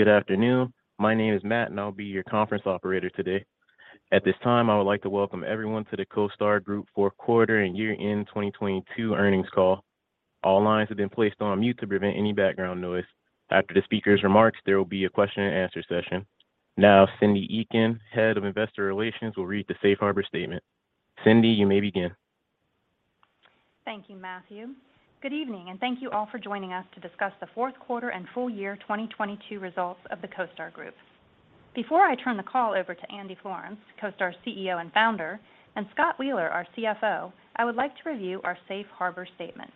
Good afternoon. My name is Matt, and I'll be your conference operator today. At this time, I would like to welcome everyone to the CoStar Group Q4 and year-end 2022 earnings call. All lines have been placed on mute to prevent any background noise. After the speaker's remarks, there will be a question and answer session. Now, Cyndi Eakin, head of investor relations, will read the safe harbor statement. Cyndi, you may begin. Thank you, Matthew. Good evening, thank you all for joining us to discuss the Q4 and full year 2022 results of the CoStar Group. Before I turn the call over to Andy Florance, CoStar's CEO and founder, and Scott Wheeler, our CFO, I would like to review our safe harbor statement.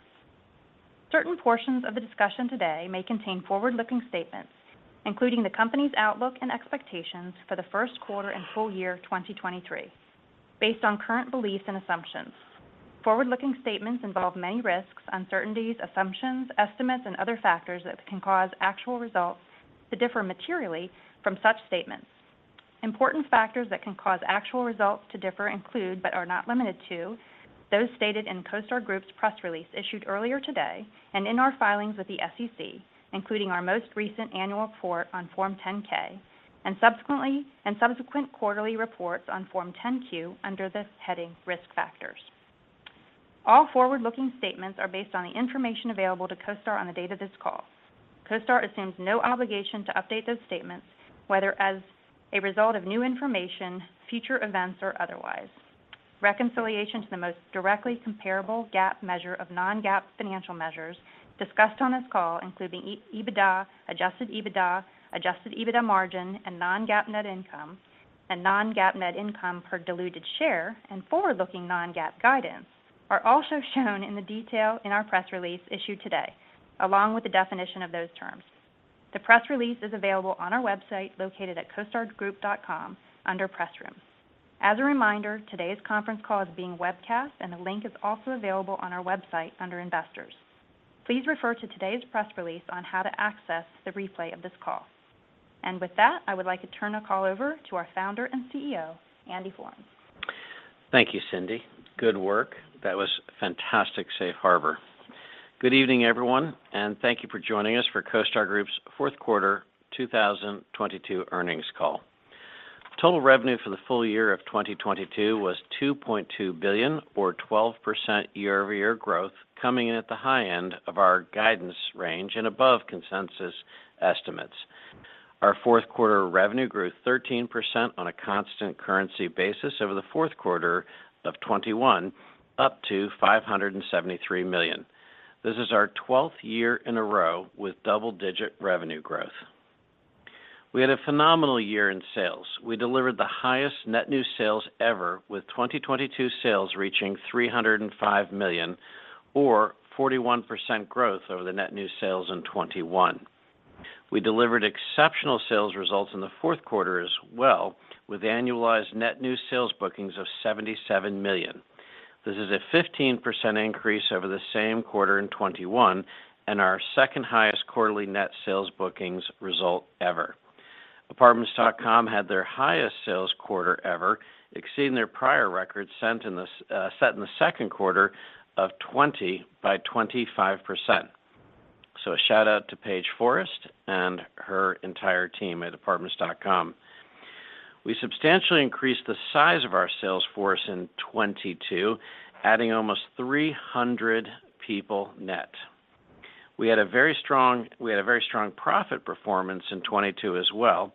Certain portions of the discussion today may contain forward-looking statements, including the company's outlook and expectations for the Q1 and full year 2023. Based on current beliefs and assumptions. Forward-looking statements involve many risks, uncertainties, assumptions, estimates, and other factors that can cause actual results to differ materially from such statements. Important factors that can cause actual results to differ include, but are not limited to, those stated in CoStar Group's press release issued earlier today and in our filings with the SEC, including our most recent annual report on Form 10-K and subsequent quarterly reports on Form 10-Q under this heading, "Risk Factors." All forward-looking statements are based on the information available to CoStar on the date of this call. CoStar assumes no obligation to update those statements, whether as a result of new information, future events, or otherwise. Reconciliation to the most directly comparable GAAP measure of non-GAAP financial measures discussed on this call, including EBITDA, adjusted EBITDA, adjusted EBITDA margin, and non-GAAP net income, and non-GAAP net income per diluted share, and forward-looking non-GAAP guidance, are also shown in the detail in our press release issued today, along with the definition of those terms. The press release is available on our website located at costargroup.com under Press Room. As a reminder, today's conference call is being webcast, and the link is also available on our website under Investors. Please refer to today's press release on how to access the replay of this call. With that, I would like to turn the call over to our Founder and CEO, Andy Florance. Thank you, Cyndi. Good work. That was fantastic safe harbor. Good evening, everyone, thank you for joining us for CoStar Group's Q4 2022 earnings call. Total revenue for the full year of 2022 was $2.2 billion or 12% year-over-year growth, coming in at the high end of our guidance range above consensus estimates. Our Q4 revenue grew 13% on a constant currency basis over the Q4 of 2021, up to $573 million. This is our 12th year in a row with double-digit revenue growth. We had a phenomenal year in sales. We delivered the highest net new sales ever, with 2022 sales reaching $305 million or 41% growth over the net new sales in 2021. We delivered exceptional sales results in the Q4 as well, with annualized net new sales bookings of $77 million. This is a 15% increase over the same quarter in 2021 and our second highest quarterly net sales bookings result ever. Apartments.com had their highest sales quarter ever, exceeding their prior record set in the Q2 of 2020 by 25%. A shout-out to Paige Forrest and her entire team at Apartments.com. We substantially increased the size of our sales force in 2022, adding almost 300 people net. We had a very strong profit performance in 2022 as well.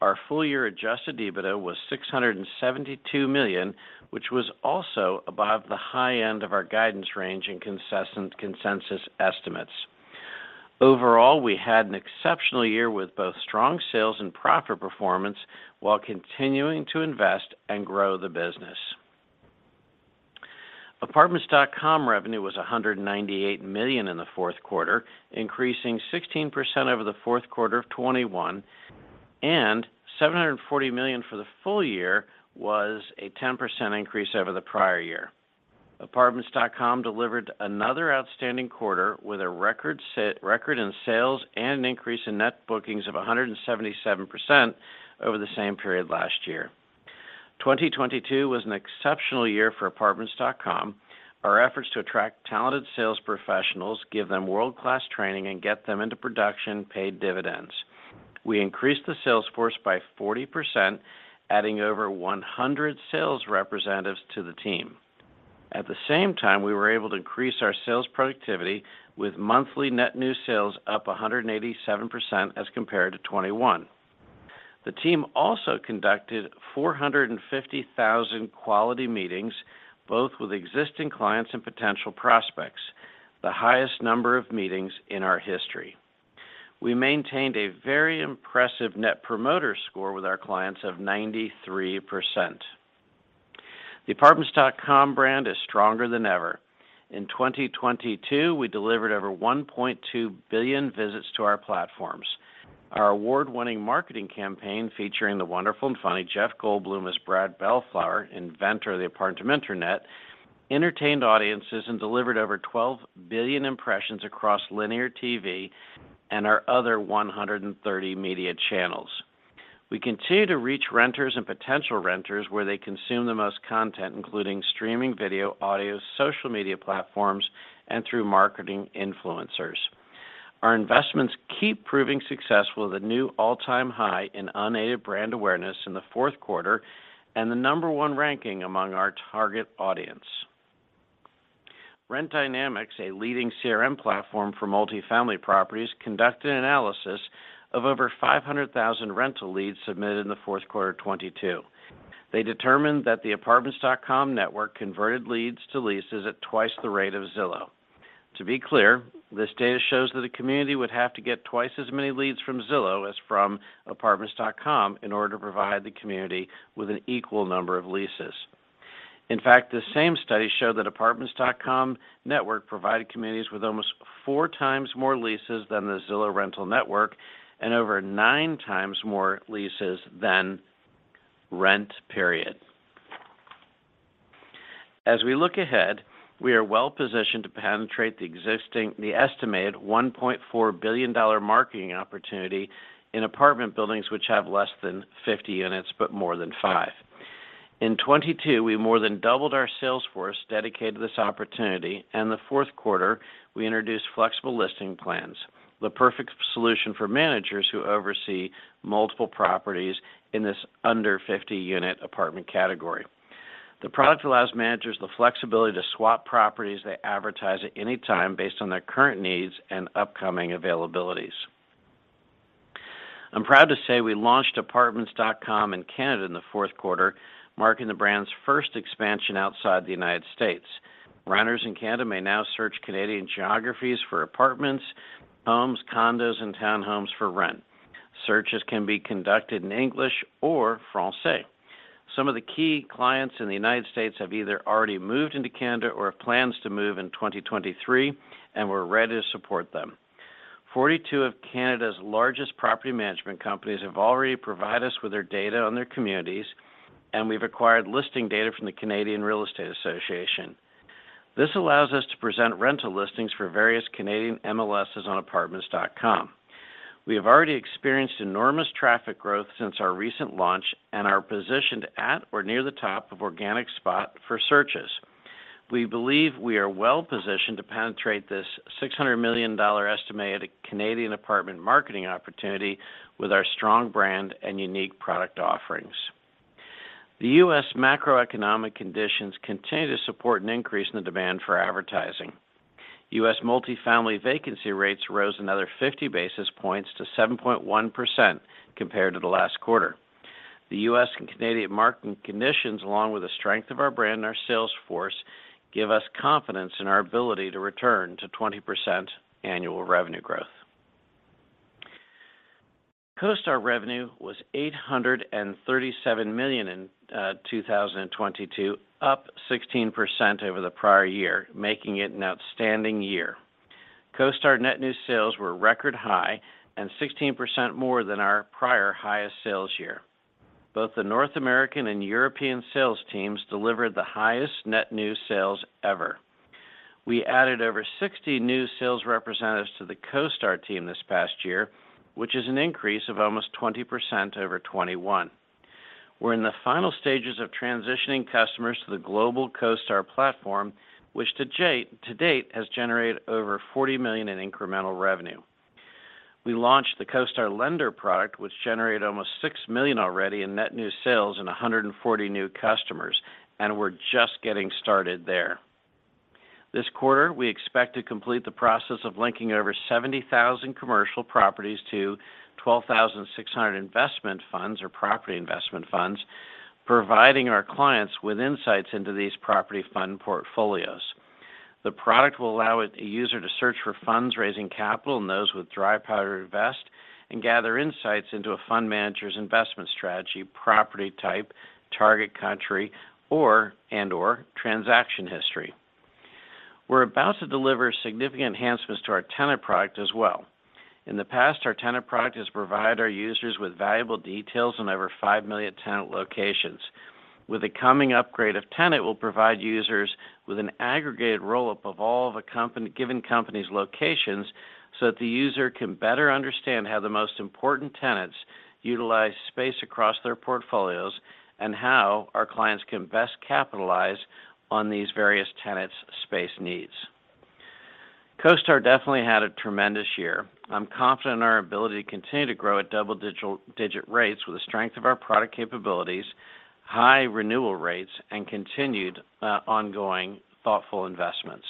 Our full year adjusted EBITDA was $672 million, which was also above the high end of our guidance range and consensus estimates. Overall, we had an exceptional year with both strong sales and profit performance while continuing to invest and grow the business. Apartments.com revenue was $198 million in the Q4, increasing 16% over the Q4 of 2021, and $740 million for the full year was a 10% increase over the prior year. Apartments.com delivered another outstanding quarter with a record in sales and an increase in net bookings of 177% over the same period last year. 2022 was an exceptional year for Apartments.com. Our efforts to attract talented sales professionals, give them world-class training, and get them into production paid dividends. We increased the sales force by 40%, adding over 100 sales representatives to the team. At the same time, we were able to increase our sales productivity with monthly net new sales up 187% as compared to 2021. The team also conducted 450,000 quality meetings, both with existing clients and potential prospects, the highest number of meetings in our history. We maintained a very impressive net promoter score with our clients of 93%. The Apartments.com brand is stronger than ever. In 2022, we delivered over 1.2 billion visits to our platforms. Our award-winning marketing campaign featuring the wonderful and funny Jeff Goldblum as Brad Bellflower, inventor of the Apartminternet, entertained audiences and delivered over 12 billion impressions across linear TV and our other 130 media channels. We continue to reach renters and potential renters where they consume the most content, including streaming video, audio, social media platforms, and through marketing influencers. Our investments keep proving successful with a new all-time high in unaided brand awareness in the Q4 and the number one ranking among our target audience. Rent Dynamics, a leading CRM platform for multifamily properties, conducted an analysis of over 500,000 rental leads submitted in the Q4 of 2022. They determined that the Apartments.com network converted leads to leases at 2x the rate of Zillow. To be clear, this data shows that a community would have to get 2x as many leads from Zillow as from Apartments.com in order to provide the community with an equal number of leases. In fact, this same study showed that Apartments.com network provided communities with almost 4x more leases than the Zillow Rental Network and over 9x more leases than Rent Period. As we look ahead, we are well positioned to penetrate the existing... The estimated $1.4 billion marketing opportunity in apartment buildings which have less than 50 units, but more than five. In 2022, we more than doubled our sales force dedicated to this opportunity. The Q4, we introduced flexible listing plans, the perfect solution for managers who oversee multiple properties in this under 50 unit apartment category. The product allows managers the flexibility to swap properties they advertise at any time based on their current needs and upcoming availabilities. I'm proud to say we launched Apartments.com in Canada in the Q4, marking the brand's first expansion outside the United States. Renters in Canada may now search Canadian geographies for apartments, homes, condos, and townhomes for rent. Searches can be conducted in English or Français. Some of the key clients in the United States have either already moved into Canada or have plans to move in 2023. We're ready to support them. 42 of Canada's largest property management companies have already provided us with their data on their communities. We've acquired listing data from the Canadian Real Estate Association. This allows us to present rental listings for various Canadian MLSs on Apartments.com. We have already experienced enormous traffic growth since our recent launch and are positioned at or near the top of organic spot for searches. We believe we are well positioned to penetrate this 600 million dollar estimated Canadian apartment marketing opportunity with our strong brand and unique product offerings. The U.S. macroeconomic conditions continue to support an increase in the demand for advertising. U.S. multifamily vacancy rates rose another 50 basis points to 7.1% compared to the last quarter. The U.S. and Canadian marketing conditions, along with the strength of our brand and our sales force, give us confidence in our ability to return to 20% annual revenue growth. CoStar revenue was $837 million in 2022, up 16% over the prior year, making it an outstanding year. CoStar net new sales were record high and 16% more than our prior highest sales year. Both the North American and European sales teams delivered the highest net new sales ever. We added over 60 new sales representatives to the CoStar team this past year, which is an increase of almost 20% over 2021. We're in the final stages of transitioning customers to the global CoStar platform, which to date has generated over $40 million in incremental revenue. We launched the CoStar Lender product, which generated almost $6 million already in net new sales and 140 new customers. We're just getting started there. This quarter, we expect to complete the process of linking over 70,000 commercial properties to 12,600 investment funds or property investment funds, providing our clients with insights into these property fund portfolios. The product will allow a user to search for funds raising capital and those with dry powder to invest and gather insights into a fund manager's investment strategy, property type, target country, and/or transaction history. We're about to deliver significant enhancements to our tenant product as well. In the past, our tenant product has provided our users with valuable details on over five million tenant locations. With the coming upgrade of tenant, we'll provide users with an aggregated roll-up of all the given company's locations so that the user can better understand how the most important tenants utilize space across their portfolios and how our clients can best capitalize on these various tenants' space needs. CoStar definitely had a tremendous year. I'm confident in our ability to continue to grow at double-digit rates with the strength of our product capabilities, high renewal rates, and continued ongoing thoughtful investments.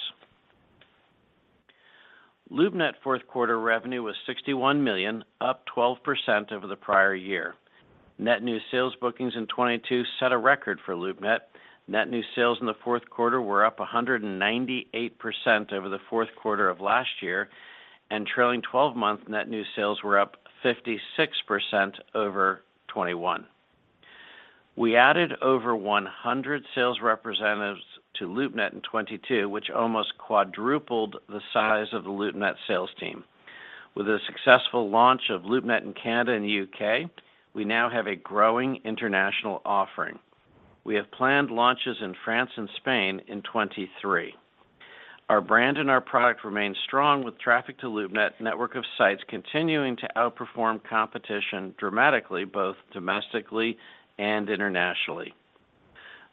LoopNet Q4 revenue was $61 million, up 12% over the prior year. Net new sales bookings in 2022 set a record for LoopNet. Net new sales in the Q4 were up 198% over the Q4 of last year, and trailing 12-month net new sales were up 56% over 2021. We added over 100 sales representatives to LoopNet in 2022, which almost quadrupled the size of the LoopNet sales team. With a successful launch of LoopNet in Canada and the U.K., we now have a growing international offering. We have planned launches in France and Spain in 2023. Our brand and our product remain strong with traffic to LoopNet network of sites continuing to outperform competition dramatically, both domestically and internationally.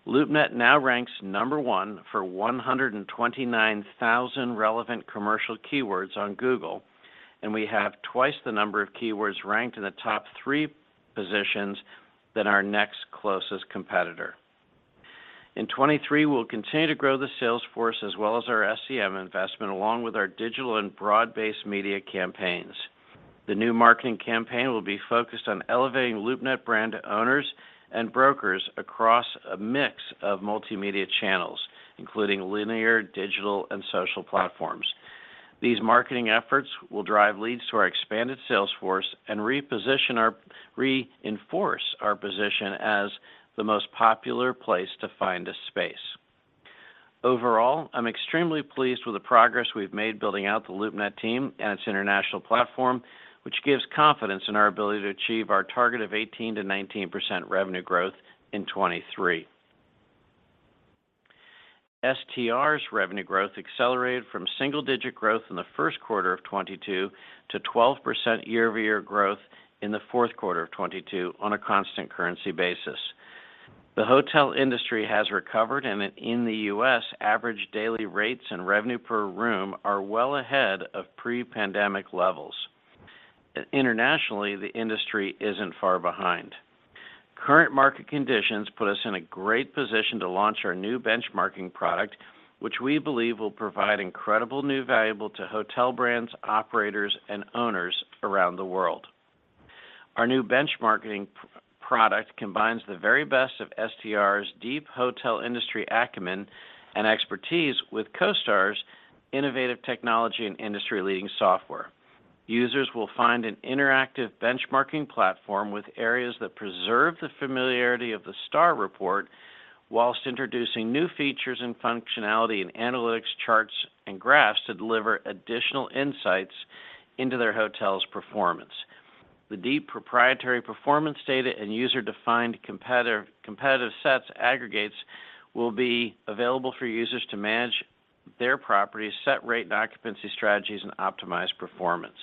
LoopNet now ranks number one for 129,000 relevant commercial keywords on Google, and we have twice the number of keywords ranked in the top 3 positions than our next closest competitor. In 2023, we'll continue to grow the sales force as well as our SEM investment, along with our digital and broad-based media campaigns. The new marketing campaign will be focused on elevating LoopNet brand to owners and brokers across a mix of multimedia channels, including linear, digital, and social platforms. These marketing efforts will drive leads to our expanded sales force and reinforce our position as the most popular place to find a space. Overall, I'm extremely pleased with the progress we've made building out the LoopNet team and its international platform, which gives confidence in our ability to achieve our target of 18% to 19% revenue growth in 2023. STR's revenue growth accelerated from single-digit growth in the Q1 of 2022 to 12% year-over-year growth in the Q4 of 2022 on a constant currency basis. The hotel industry has recovered, and in the U.S., average daily rates and revenue per room are well ahead of pre-pandemic levels. Internationally, the industry isn't far behind. Current market conditions put us in a great position to launch our new benchmarking product, which we believe will provide incredible new valuable to hotel brands, operators, and owners around the world. Our new benchmarking product combines the very best of STR's deep hotel industry acumen and expertise with CoStar's innovative technology and industry-leading software. Users will find an interactive benchmarking platform with areas that preserve the familiarity of the STAR report whilst introducing new features and functionality in analytics, charts, and graphs to deliver additional insights into their hotel's performance. The deep proprietary performance data and user-defined competitive sets aggregates will be available for users to manage their properties, set rate and occupancy strategies, and optimize performance.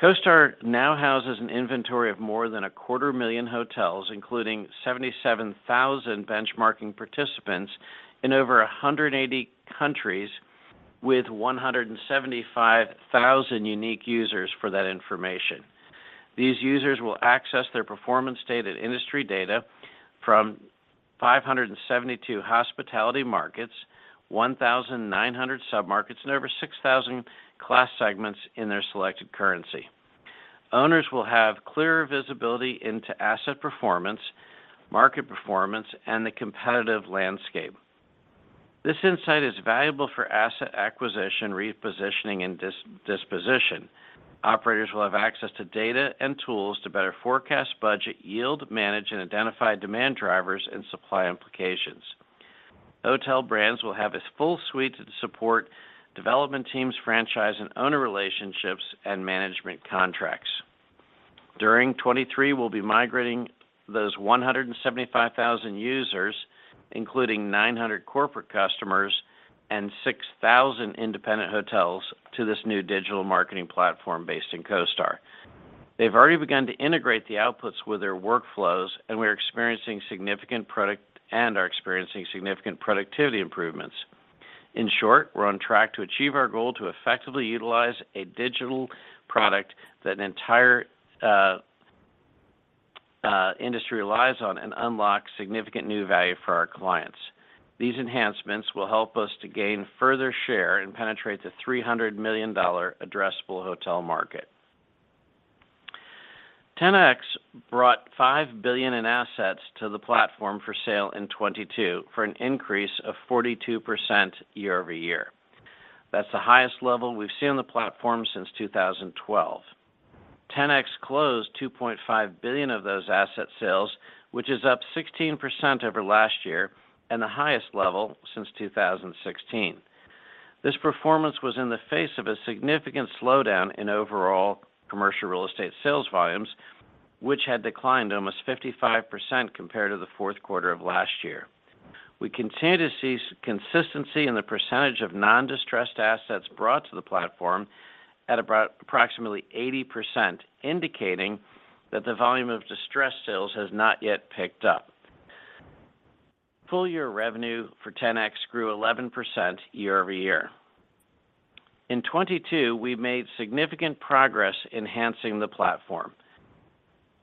CoStar now houses an inventory of more than 250,000 hotels, including 77,000 benchmarking participants in over 180 countries with 175,000 unique users for that information. These users will access their performance data and industry data from 572 hospitality markets, 1,900 submarkets, and over 6,000 class segments in their selected currency. Owners will have clearer visibility into asset performance, market performance, and the competitive landscape. This insight is valuable for asset acquisition, repositioning, and disposition. Operators will have access to data and tools to better forecast budget, yield, manage, and identify demand drivers and supply implications. Hotel brands will have a full suite to support development teams, franchise and owner relationships, and management contracts. During 2023, we'll be migrating those 175,000 users, including 900 corporate customers and 6,000 independent hotels, to this new digital marketing platform based in CoStar. They've already begun to integrate the outputs with their workflows, and we're experiencing significant productivity improvements. In short, we're on track to achieve our goal to effectively utilize a digital product that an entire industry relies on and unlock significant new value for our clients. These enhancements will help us to gain further share and penetrate the $300 million addressable hotel market. Ten-X brought $5 billion in assets to the platform for sale in 2022 for an increase of 42% year-over-year. That's the highest level we've seen on the platform since 2012. Ten-X closed $2.5 billion of those asset sales, which is up 16% over last year and the highest level since 2016. This performance was in the face of a significant slowdown in overall commercial real estate sales volumes, which had declined almost 55% compared to the Q4 of last year. We continue to see consistency in the percentage of non-distressed assets brought to the platform at approximately 80%, indicating that the volume of distressed sales has not yet picked up. Full-year revenue for Ten-X grew 11% year-over-year. In 2022, we made significant progress enhancing the platform.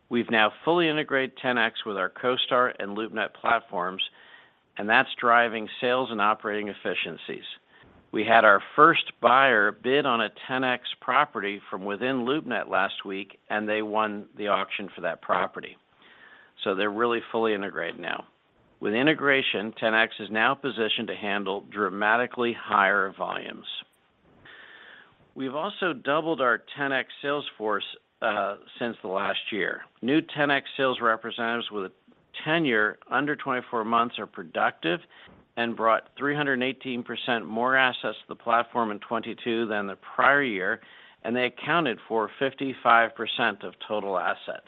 We've now fully integrated Ten-X with our CoStar and LoopNet platforms. That's driving sales and operating efficiencies. We had our first buyer bid on a Ten-X property from within LoopNet last week. They won the auction for that property. They're really fully integrated now. With integration, Ten-X is now positioned to handle dramatically higher volumes. We've also doubled our Ten-X sales force since the last year. New Ten-X sales representatives with tenure under 24 months are productive and brought 318% more assets to the platform in 2022 than the prior year, and they accounted for 55% of total assets.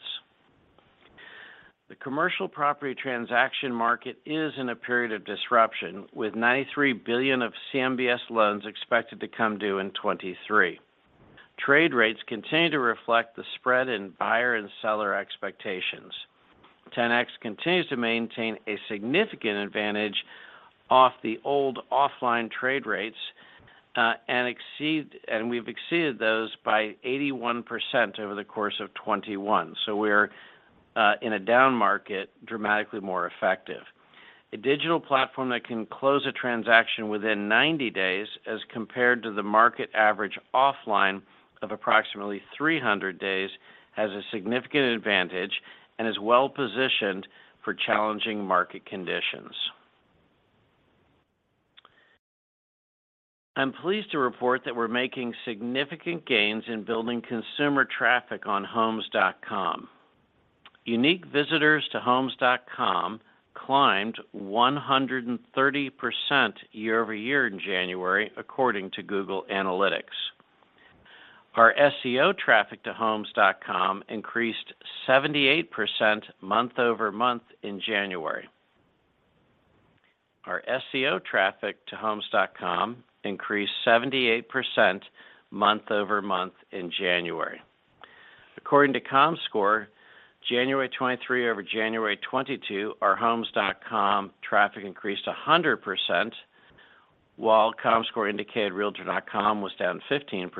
The commercial property transaction market is in a period of disruption, with $93 billion of CMBS loans expected to come due in 2023. Trade rates continue to reflect the spread in buyer and seller expectations. Ten-X continues to maintain a significant advantage off the old offline trade rates, and we've exceeded those by 81% over the course of 2021. We're in a down market, dramatically more effective. A digital platform that can close a transaction within 90 days as compared to the market average offline of approximately 300 days, has a significant advantage and is well-positioned for challenging market conditions. I'm pleased to report that we're making significant gains in building consumer traffic on Homes.com. Unique visitors to Homes.com climbed 130% year-over-year in January, according to Google Analytics. Our SEO traffic to Homes.com increased 78% month-over-month in January. Our SEO traffic to Homes.com increased 78% month-over-month in January. According to Comscore, January 2023 over January 2022, our Homes.com traffic increased 100%, while Comscore indicated Realtor.com was down 15%,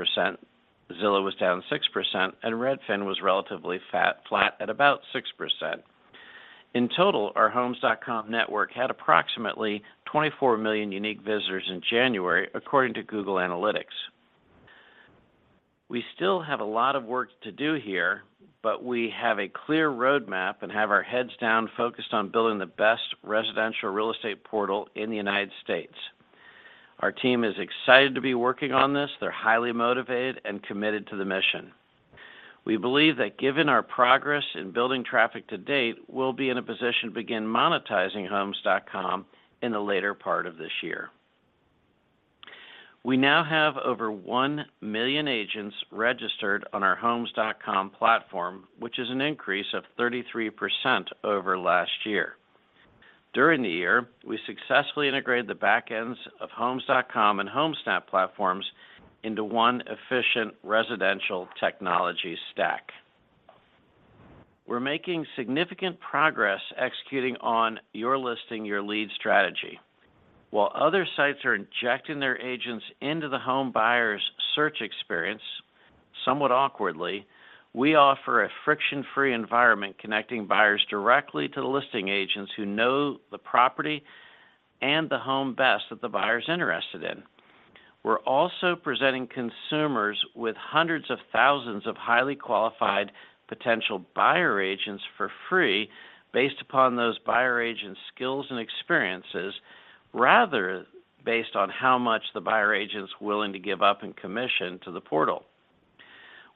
Zillow was down 6%, and Redfin was relatively flat at about 6%. In total, our Homes.com network had approximately 24 million unique visitors in January, according to Google Analytics. We still have a lot of work to do here. We have a clear roadmap and have our heads down focused on building the best residential real estate portal in the United States. Our team is excited to be working on this. They're highly motivated and committed to the mission. We believe that given our progress in building traffic to date, we'll be in a position to begin monetizing Homes.com in the later part of this year. We now have over one million agents registered on our Homes.com platform, which is an increase of 33% over last year. During the year, we successfully integrated the backends of Homes.com and Homesnap platforms into one efficient residential technology stack. We're making significant progress executing on your listing, your lead strategy. While other sites are injecting their agents into the home buyer's search experience, somewhat awkwardly, we offer a friction-free environment connecting buyers directly to the listing agents who know the property and the home best that the buyer's interested in. We're also presenting consumers with hundreds of thousands of highly qualified potential buyer agents for free based upon those buyer agents' skills and experiences, rather based on how much the buyer agent's willing to give up in commission to the portal.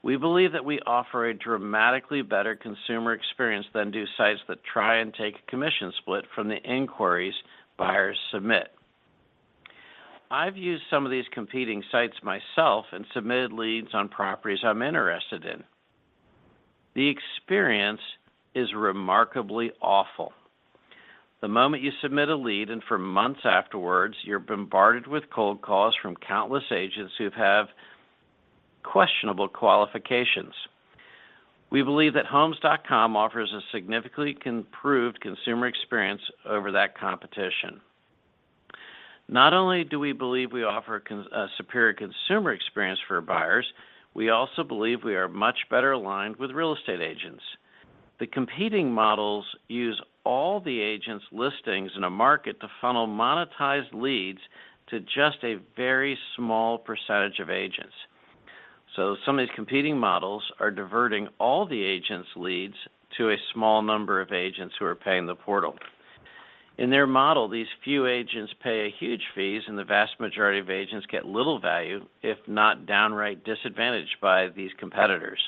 We believe that we offer a dramatically better consumer experience than do sites that try and take a commission split from the inquiries buyers submit. I've used some of these competing sites myself and submitted leads on properties I'm interested in. The experience is remarkably awful. The moment you submit a lead, and for months afterwards, you're bombarded with cold calls from countless agents who have questionable qualifications. We believe that Homes.com offers a significantly improved consumer experience over that competition. Not only do we believe we offer a superior consumer experience for buyers, we also believe we are much better aligned with real estate agents. The competing models use all the agents' listings in a market to funnel monetized leads to just a very small percentage of agents. Some of these competing models are diverting all the agents' leads to a small number of agents who are paying the portal. In their model, these few agents pay a huge fees, and the vast majority of agents get little value, if not downright disadvantaged by these competitors.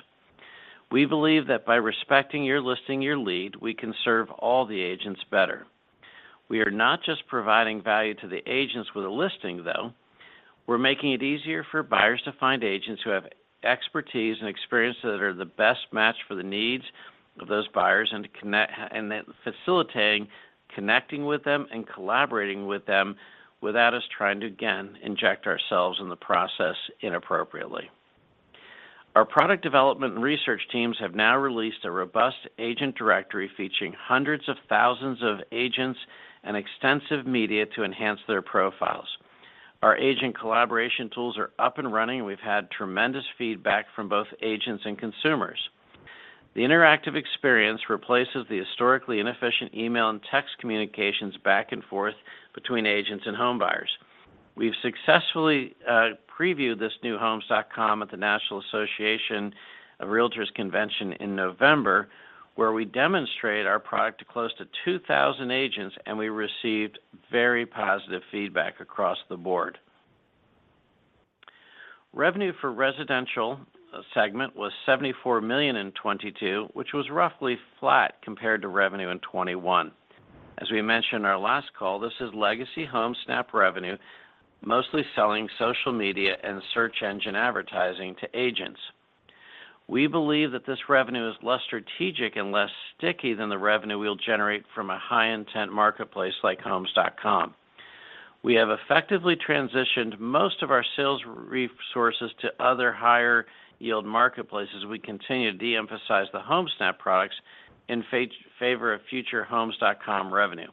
We believe that by respecting your listing, your lead, we can serve all the agents better. We are not just providing value to the agents with a listing, though. We're making it easier for buyers to find agents who have expertise and experience that are the best match for the needs of those buyers facilitating connecting with them and collaborating with them without us trying to again, inject ourselves in the process inappropriately. Our product development and research teams have now released a robust agent directory featuring hundreds of thousands of agents and extensive media to enhance their profiles. Our agent collaboration tools are up and running. We've had tremendous feedback from both agents and consumers. The interactive experience replaces the historically inefficient email and text communications back and forth between agents and home buyers. We've successfully previewed this new Homes.com at the National Association of Realtors convention in November, where we demonstrate our product to close to 2,000 agents, and we received very positive feedback across the board. Revenue for residential segment was $74 million in 2022, which was roughly flat compared to revenue in 2021. As we mentioned in our last call, this is legacy Homesnap revenue, mostly selling social media and search engine advertising to agents. We believe that this revenue is less strategic and less sticky than the revenue we'll generate from a high-intent marketplace like Homes.com. We have effectively transitioned most of our sales resources to other higher-yield marketplaces as we continue to de-emphasize the Homesnap products in favor of future Homes.com revenue.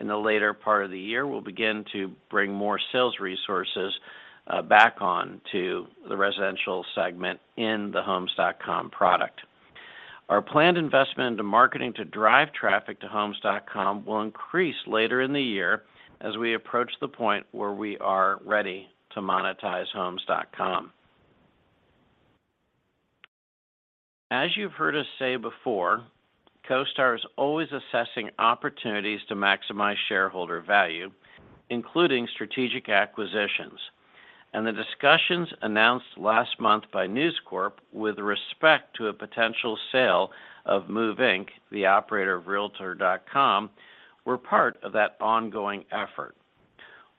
In the later part of the year, we'll begin to bring more sales resources back on to the residential segment in the Homes.com product. Our planned investment into marketing to drive traffic to Homes.com will increase later in the year as we approach the point where we are ready to monetize Homes.com. As you've heard us say before, CoStar is always assessing opportunities to maximize shareholder value, including strategic acquisitions, and the discussions announced last month by News Corp with respect to a potential sale of Move, Inc., the operator of Realtor.com, were part of that ongoing effort.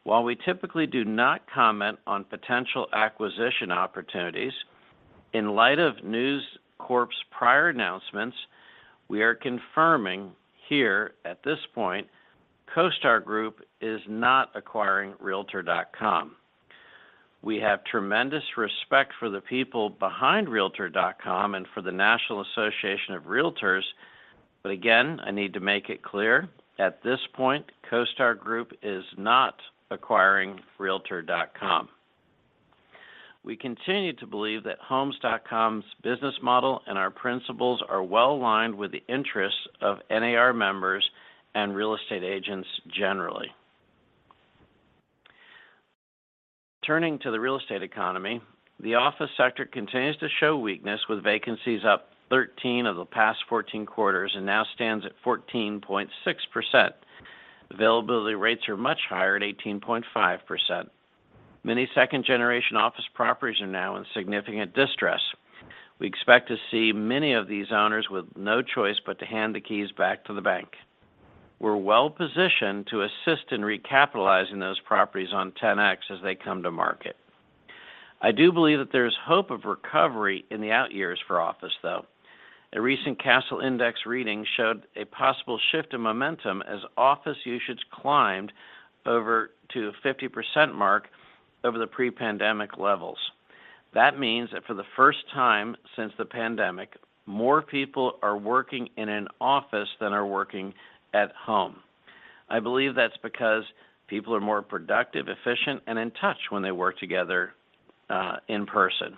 While we typically do not comment on potential acquisition opportunities, in light of News Corp's prior announcements, we are confirming here at this point, CoStar Group is not acquiring Realtor.com. We have tremendous respect for the people behind Realtor.com and for the National Association of Realtors, but again, I need to make it clear, at this point, CoStar Group is not acquiring Realtor.com. We continue to believe that Homes.com's business model and our principles are well-aligned with the interests of NAR members and real estate agents generally. Turning to the real estate economy, the office sector continues to show weakness with vacancies up 13 of the past 14 quarters and now stands at 14.6%. Availability rates are much higher at 18.5%. Many second-generation office properties are now in significant distress. We expect to see many of these owners with no choice but to hand the keys back to the bank. We're well-positioned to assist in recapitalizing those properties on Ten-X as they come to market. I do believe that there's hope of recovery in the out years for office, though. A recent Kastle Index reading showed a possible shift in momentum as office usage climbed over to the 50% mark over the pre-pandemic levels. That means that for the first time since the pandemic, more people are working in an office than are working at home. I believe that's because people are more productive, efficient, and in touch when they work together in person.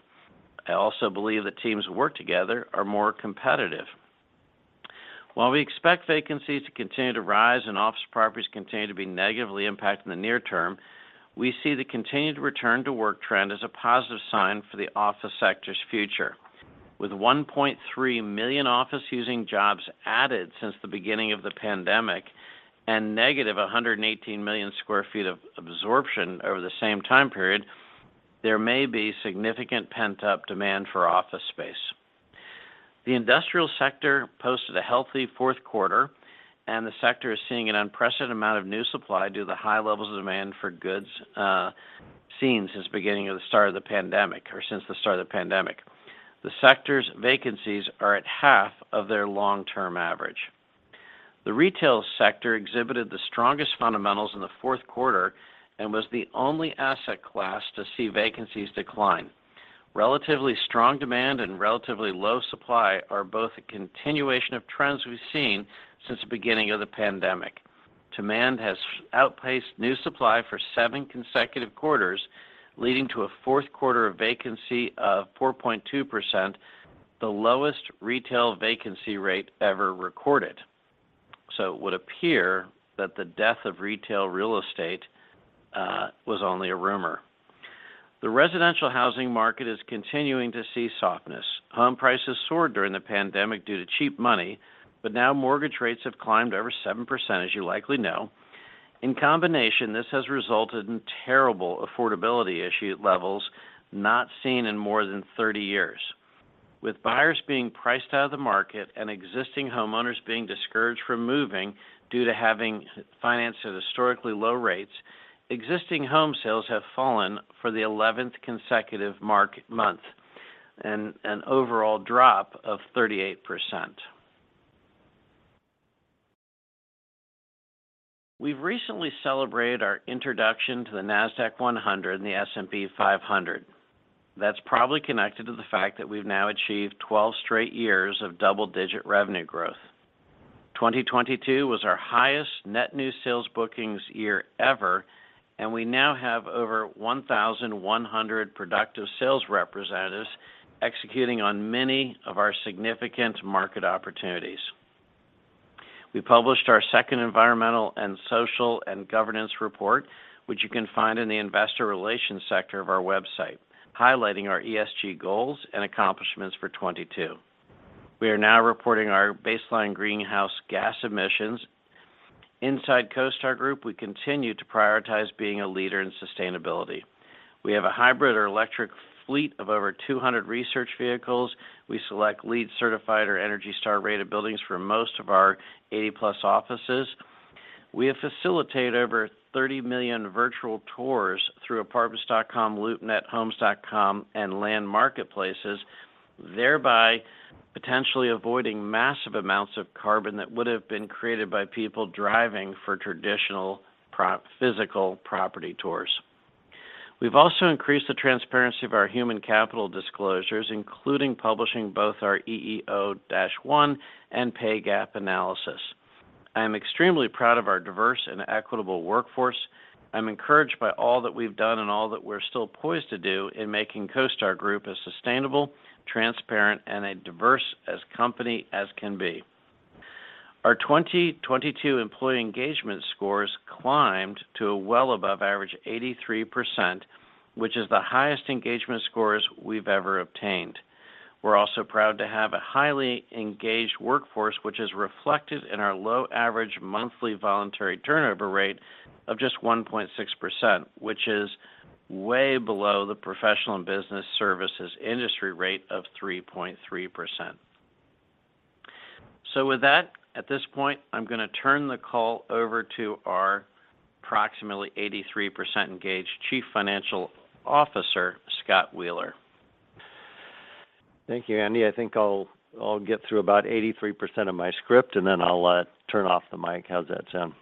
I also believe that teams who work together are more competitive. While we expect vacancies to continue to rise and office properties continue to be negatively impacted in the near term, we see the continued return-to-work trend as a positive sign for the office sector's future. With 1.3 million office-using jobs added since the beginning of the pandemic and negative 118 million sq ft of absorption over the same time period, there may be significant pent-up demand for office space. The industrial sector posted a healthy Q4, and the sector is seeing an unprecedented amount of new supply due to the high levels of demand for goods seen since the start of the pandemic. The sector's vacancies are at half of their long-term average. The retail sector exhibited the strongest fundamentals in the Q4 and was the only asset class to see vacancies decline. Relatively strong demand and relatively low supply are both a continuation of trends we've seen since the beginning of the pandemic. Demand has outpaced new supply for seven consecutive quarters, leading to a Q4 of vacancy of 4.2%, the lowest retail vacancy rate ever recorded. It would appear that the death of retail real estate was only a rumor. The residential housing market is continuing to see softness. Home prices soared during the pandemic due to cheap money, but now mortgage rates have climbed over 7%, as you likely know. In combination, this has resulted in terrible affordability issue levels not seen in more than 30 years. With buyers being priced out of the market and existing homeowners being discouraged from moving due to having financed at historically low rates, existing home sales have fallen for the 11th consecutive month, an overall drop of 38%. We've recently celebrated our introduction to the NASDAQ-100 and the S&P 500. That's probably connected to the fact that we've now achieved 12 straight years of double-digit revenue growth. 2022 was our highest net new sales bookings year ever, and we now have over 1,100 productive sales representatives executing on many of our significant market opportunities. We published our second environmental and social and governance report, which you can find in the investor relations sector of our website, highlighting our ESG goals and accomplishments for 2022. We are now reporting our baseline greenhouse gas emissions. Inside CoStar Group, we continue to prioritize being a leader in sustainability. We have a hybrid or electric fleet of over 200 research vehicles. We select LEED certified or ENERGY STAR rated buildings for most of our 80-plus offices. We have facilitated over 30 million virtual tours through Apartments.com, LoopNet, Homes.com and land marketplaces, thereby potentially avoiding massive amounts of carbon that would have been created by people driving for traditional physical property tours. We've also increased the transparency of our human capital disclosures, including publishing both our EEO-1 and pay gap analysis. I am extremely proud of our diverse and equitable workforce. I'm encouraged by all that we've done and all that we're still poised to do in making CoStar Group as sustainable, transparent, and a diverse as company as can be. Our 2022 employee engagement scores climbed to a well above average 83%, which is the highest engagement scores we've ever obtained. We're also proud to have a highly engaged workforce, which is reflected in our low average monthly voluntary turnover rate of just 1.6%, which is way below the professional and business services industry rate of 3.3%. With that, at this point, I'm going to turn the call over to our approximately 83% engaged Chief Financial Officer, Scott Wheeler. Thank you, Andy. I think I'll get through about 83% of my script and then I'll turn off the mic. How's that sound?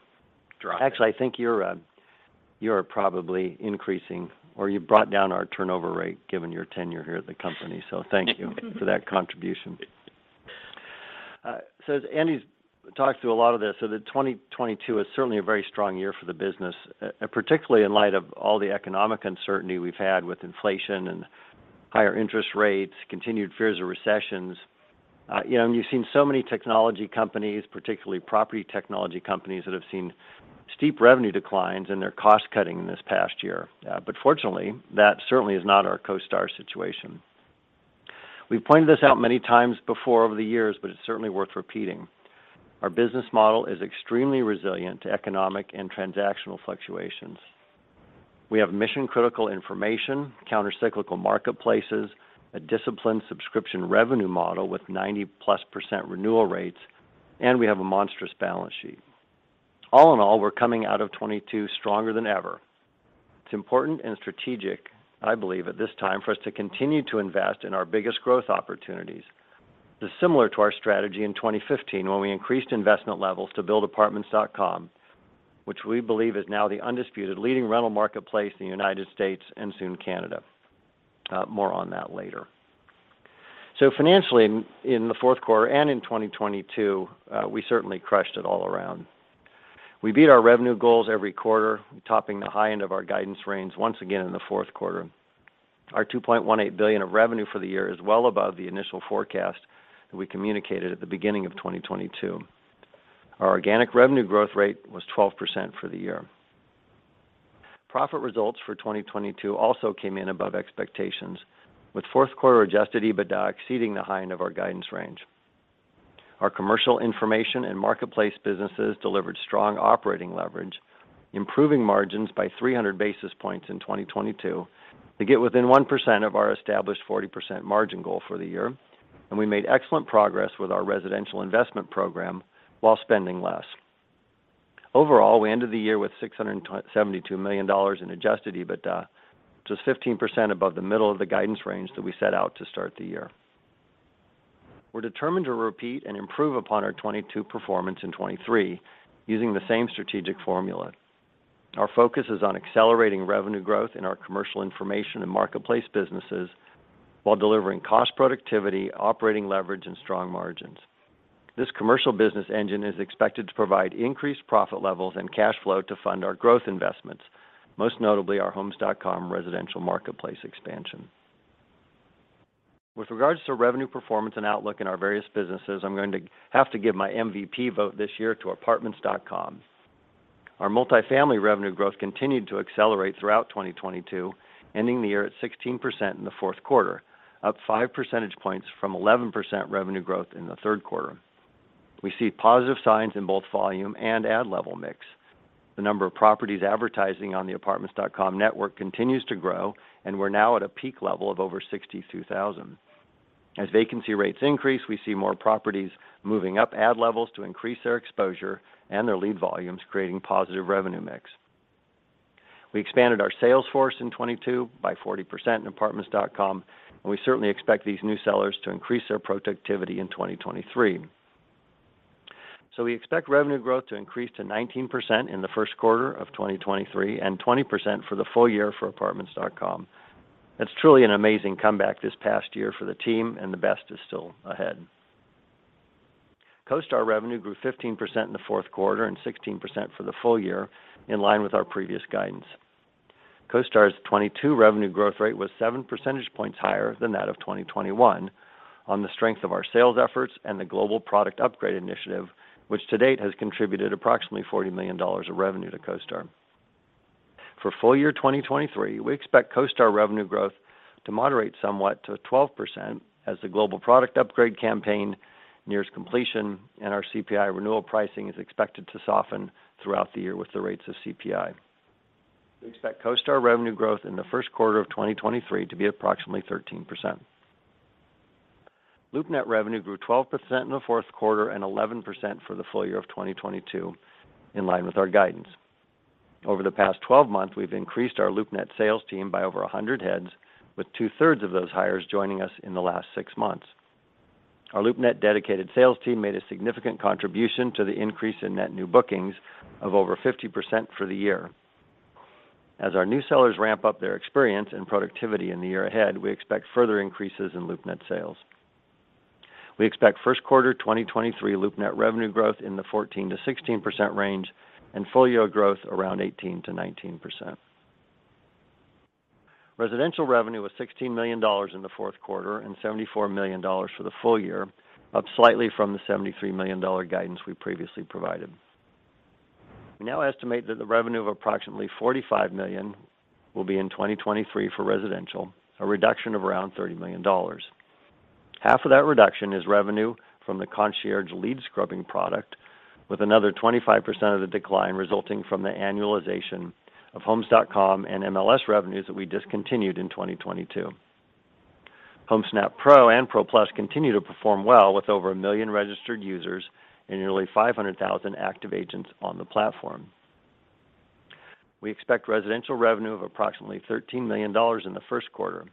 Drop. Actually, I think you're probably increasing or you brought down our turnover rate given your tenure here at the company. Thank you for that contribution. Andy's talked through a lot of this. The 2022 is certainly a very strong year for the business, particularly in light of all the economic uncertainty we've had with inflation and higher interest rates, continued fears of recessions. You know, you've seen so many technology companies, particularly property technology companies, that have seen steep revenue declines and they're cost cutting this past year. Fortunately, that certainly is not our CoStar situation. We've pointed this out many times before over the years, but it's certainly worth repeating. Our business model is extremely resilient to economic and transactional fluctuations. We have mission-critical information, counter-cyclical marketplaces, a disciplined subscription revenue model with 90%+ renewal rates, and we have a monstrous balance sheet. All in all, we're coming out of 2022 stronger than ever. It's important and strategic, I believe, at this time for us to continue to invest in our biggest growth opportunities. This is similar to our strategy in 2015 when we increased investment levels to build Apartments.com, which we believe is now the undisputed leading rental marketplace in the United States and soon Canada. More on that later. Financially in the Q4 and in 2022, we certainly crushed it all around. We beat our revenue goals every quarter, topping the high end of our guidance range once again in the Q4. Our $2.18 billion of revenue for the year is well above the initial forecast that we communicated at the beginning of 2022. Our organic revenue growth rate was 12% for the year. Profit results for 2022 also came in above expectations, with Q4 adjusted EBITDA exceeding the high end of our guidance range. Our commercial information and marketplace businesses delivered strong operating leverage, improving margins by 300 basis points in 2022 to get within 1% of our established 40% margin goal for the year. We made excellent progress with our residential investment program while spending less. Overall, we ended the year with $672 million in adjusted EBITDA, which is 15% above the middle of the guidance range that we set out to start the year. We're determined to repeat and improve upon our 2022 performance in 2023 using the same strategic formula. Our focus is on accelerating revenue growth in our commercial information and marketplace businesses while delivering cost productivity, operating leverage, and strong margins. This commercial business engine is expected to provide increased profit levels and cash flow to fund our growth investments, most notably our Homes.com residential marketplace expansion. With regards to revenue performance and outlook in our various businesses, I'm going to have to give my MVP vote this year to Apartments.com. Our multifamily revenue growth continued to accelerate throughout 2022, ending the year at 16% in the Q4, up 5 percentage points from 11% revenue growth in the Q3. We see positive signs in both volume and ad level mix. The number of properties advertising on the Apartments.com network continues to grow, and we're now at a peak level of over 62,000. As vacancy rates increase, we see more properties moving up ad levels to increase their exposure and their lead volumes, creating positive revenue mix. We expanded our sales force in 2022 by 40% in Apartments.com, and we certainly expect these new sellers to increase their productivity in 2023. We expect revenue growth to increase to 19% in the Q1 of 2023 and 20% for the full year for Apartments.com. It's truly an amazing comeback this past year for the team, and the best is still ahead. CoStar revenue grew 15% in the Q4 and 16% for the full year, in line with our previous guidance. CoStar's 2022 revenue growth rate was 7 percentage points higher than that of 2021 on the strength of our sales efforts and the global product upgrade initiative, which to date has contributed approximately $40 million of revenue to CoStar. For full year 2023, we expect CoStar revenue growth to moderate somewhat to 12% as the global product upgrade campaign nears completion and our CPI renewal pricing is expected to soften throughout the year with the rates of CPI. We expect CoStar revenue growth in the Q1 of 2023 to be approximately 13%. LoopNet revenue grew 12% in the Q4 and 11% for the full year of 2022, in line with our guidance. Over the past 12 months, we've increased our LoopNet sales team by over 100 heads, with two-thirds of those hires joining us in the last 6 months. Our LoopNet dedicated sales team made a significant contribution to the increase in net new bookings of over 50% for the year. As our new sellers ramp up their experience and productivity in the year ahead, we expect further increases in LoopNet sales. We expect Q1 2023 LoopNet revenue growth in the 14% to 16% range and full-year growth around 18% to 19%. Residential revenue was $16 million in the Q4 and $74 million for the full year, up slightly from the $73 million guidance we previously provided. We now estimate that the revenue of approximately $45 million will be in 2023 for residential, a reduction of around $30 million. Half of that reduction is revenue from the concierge lead scrubbing product, with another 25% of the decline resulting from the annualization of Homes.com and MLS revenues that we discontinued in 2022. Homesnap Pro and Pro+ continue to perform well with over 1 million registered users and nearly 500,000 active agents on the platform. We expect residential revenue of approximately $13 million in the Q1.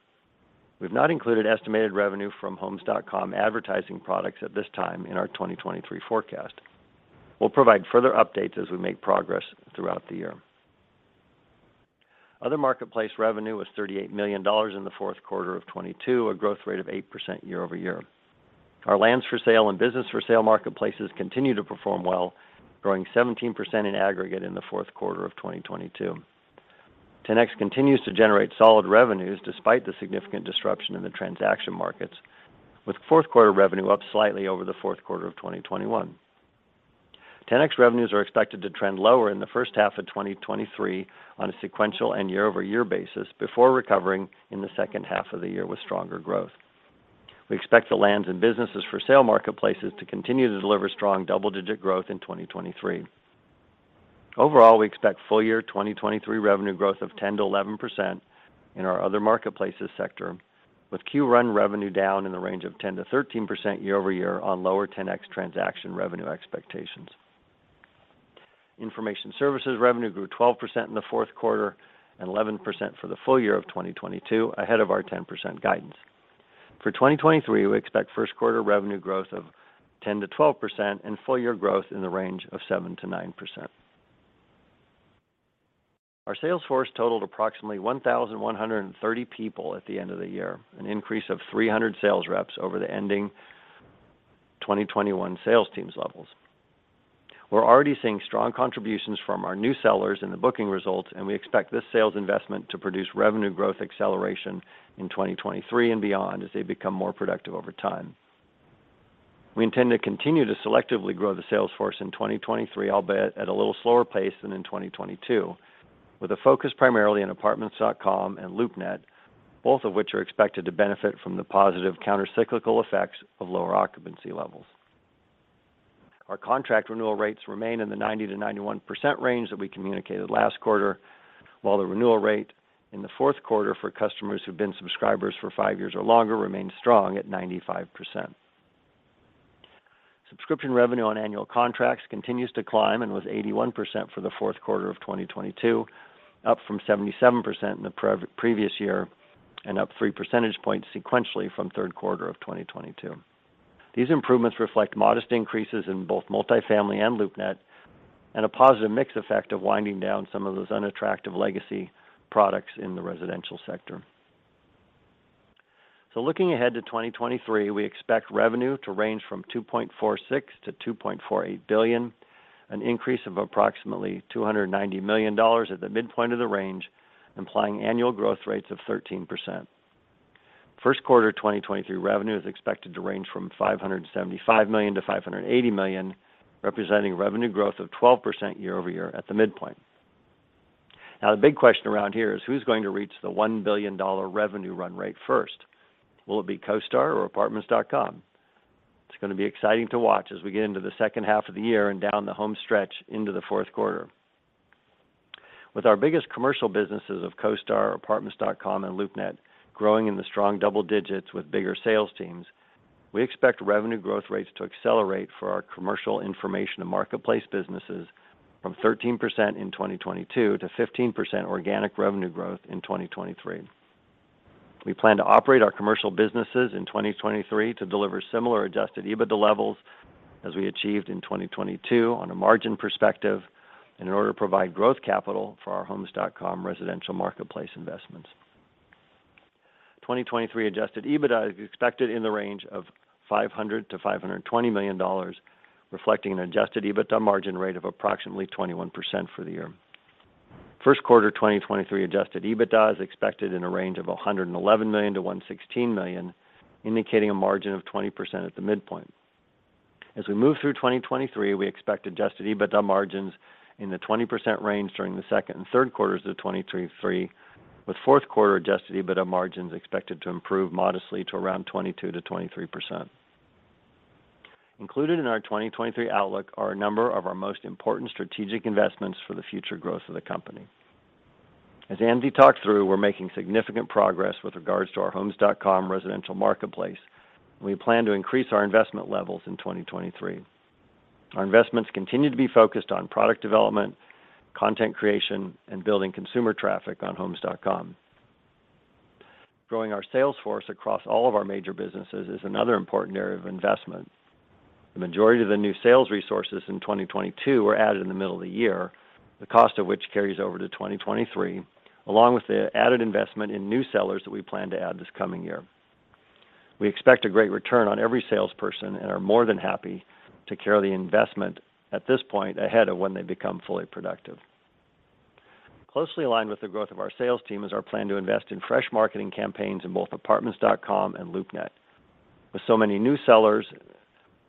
We've not included estimated revenue from Homes.com advertising products at this time in our 2023 forecast. We'll provide further updates as we make progress throughout the year. Other marketplace revenue was $38 million in the Q4 of 2022, a growth rate of 8% year-over-year. Our lands for sale and business for sale marketplaces continue to perform well, growing 17% in aggregate in the Q4 of 2022. 10X continues to generate solid revenues despite the significant disruption in the transaction markets, with Q4 revenue up slightly over the Q4 of 2021. 10X revenues are expected to trend lower in the first half of 2023 on a sequential and year-over-year basis before recovering in the second half of the year with stronger growth. We expect the lands and businesses for sale marketplaces to continue to deliver strong double-digit growth in 2023. Overall, we expect full-year 2023 revenue growth of 10% to 11% in our other marketplaces sector, with Q run revenue down in the range of 10% to 13% year-over-year on lower 10X transaction revenue expectations. Information services revenue grew 12% in the Q4 and 11% for the full year of 2022, ahead of our 10% guidance. For 2023, we expect Q1 revenue growth of 10% to 12% and full-year growth in the range of 7% to 9%. Our sales force totaled approximately 1,130 people at the end of the year, an increase of 300 sales reps over the ending 2021 sales teams levels. We're already seeing strong contributions from our new sellers in the booking results, and we expect this sales investment to produce revenue growth acceleration in 2023 and beyond as they become more productive over time. We intend to continue to selectively grow the sales force in 2023, albeit at a little slower pace than in 2022, with a focus primarily on Apartments.com and LoopNet, both of which are expected to benefit from the positive countercyclical effects of lower occupancy levels. Our contract renewal rates remain in the 90% to 91% range that we communicated last quarter, while the renewal rate in the Q4 for customers who've been subscribers for 5 years or longer remains strong at 95%. Subscription revenue on annual contracts continues to climb and was 81% for the Q4 of 2022, up from 77% in the previous year and up 3 percentage points sequentially from Q3 of 2022. These improvements reflect modest increases in both multifamily and LoopNet and a positive mix effect of winding down some of those unattractive legacy products in the residential sector. Looking ahead to 2023, we expect revenue to range from $2.46 billion to $2.48 billion, an increase of approximately $290 million at the midpoint of the range, implying annual growth rates of 13%. Q1 2023 revenue is expected to range from $575 million to $580 million, representing revenue growth of 12% year-over-year at the midpoint. The big question around here is who's going to reach the $1 billion revenue run rate first? Will it be CoStar or Apartments.com? It's going to be exciting to watch as we get into the second half of the year and down the home stretch into the Q4. With our biggest commercial businesses of CoStar, Apartments.com, and LoopNet growing in the strong double digits with bigger sales teams, we expect revenue growth rates to accelerate for our commercial information and marketplace businesses from 13% in 2022 to 15% organic revenue growth in 2023. We plan to operate our commercial businesses in 2023 to deliver similar adjusted EBITDA levels as we achieved in 2022 on a margin perspective in order to provide growth capital for our Homes.com residential marketplace investments. 2023 adjusted EBITDA is expected in the range of $500 million to $520 million, reflecting an adjusted EBITDA margin rate of approximately 21% for the year. Q1 2023 adjusted EBITDA is expected in a range of $111 million to $116 million, indicating a margin of 20% at the midpoint. As we move through 2023, we expect adjusted EBITDA margins in the 20% range during the second and Q3s of 2023, with Q4 adjusted EBITDA margins expected to improve modestly to around 22% to 23%. Included in our 2023 outlook are a number of our most important strategic investments for the future growth of the company. As Andy talked through, we're making significant progress with regards to our Homes.com residential marketplace. We plan to increase our investment levels in 2023. Our investments continue to be focused on product development, content creation, and building consumer traffic on Homes.com. Growing our sales force across all of our major businesses is another important area of investment. The majority of the new sales resources in 2022 were added in the middle of the year, the cost of which carries over to 2023, along with the added investment in new sellers that we plan to add this coming year. We expect a great return on every salesperson and are more than happy to carry the investment at this point ahead of when they become fully productive. Closely aligned with the growth of our sales team is our plan to invest in fresh marketing campaigns in both Apartments.com and LoopNet. With so many new sellers,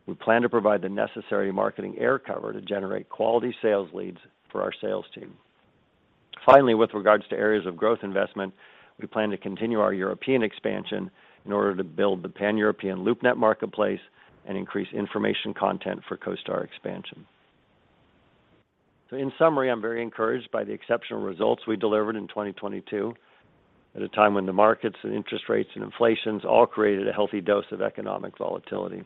we plan to provide the necessary marketing air cover to generate quality sales leads for our sales team. Finally, with regards to areas of growth investment, we plan to continue our European expansion in order to build the Pan-European LoopNet marketplace and increase information content for CoStar expansion. In summary, I'm very encouraged by the exceptional results we delivered in 2022 at a time when the markets, and interest rates, and inflations all created a healthy dose of economic volatility.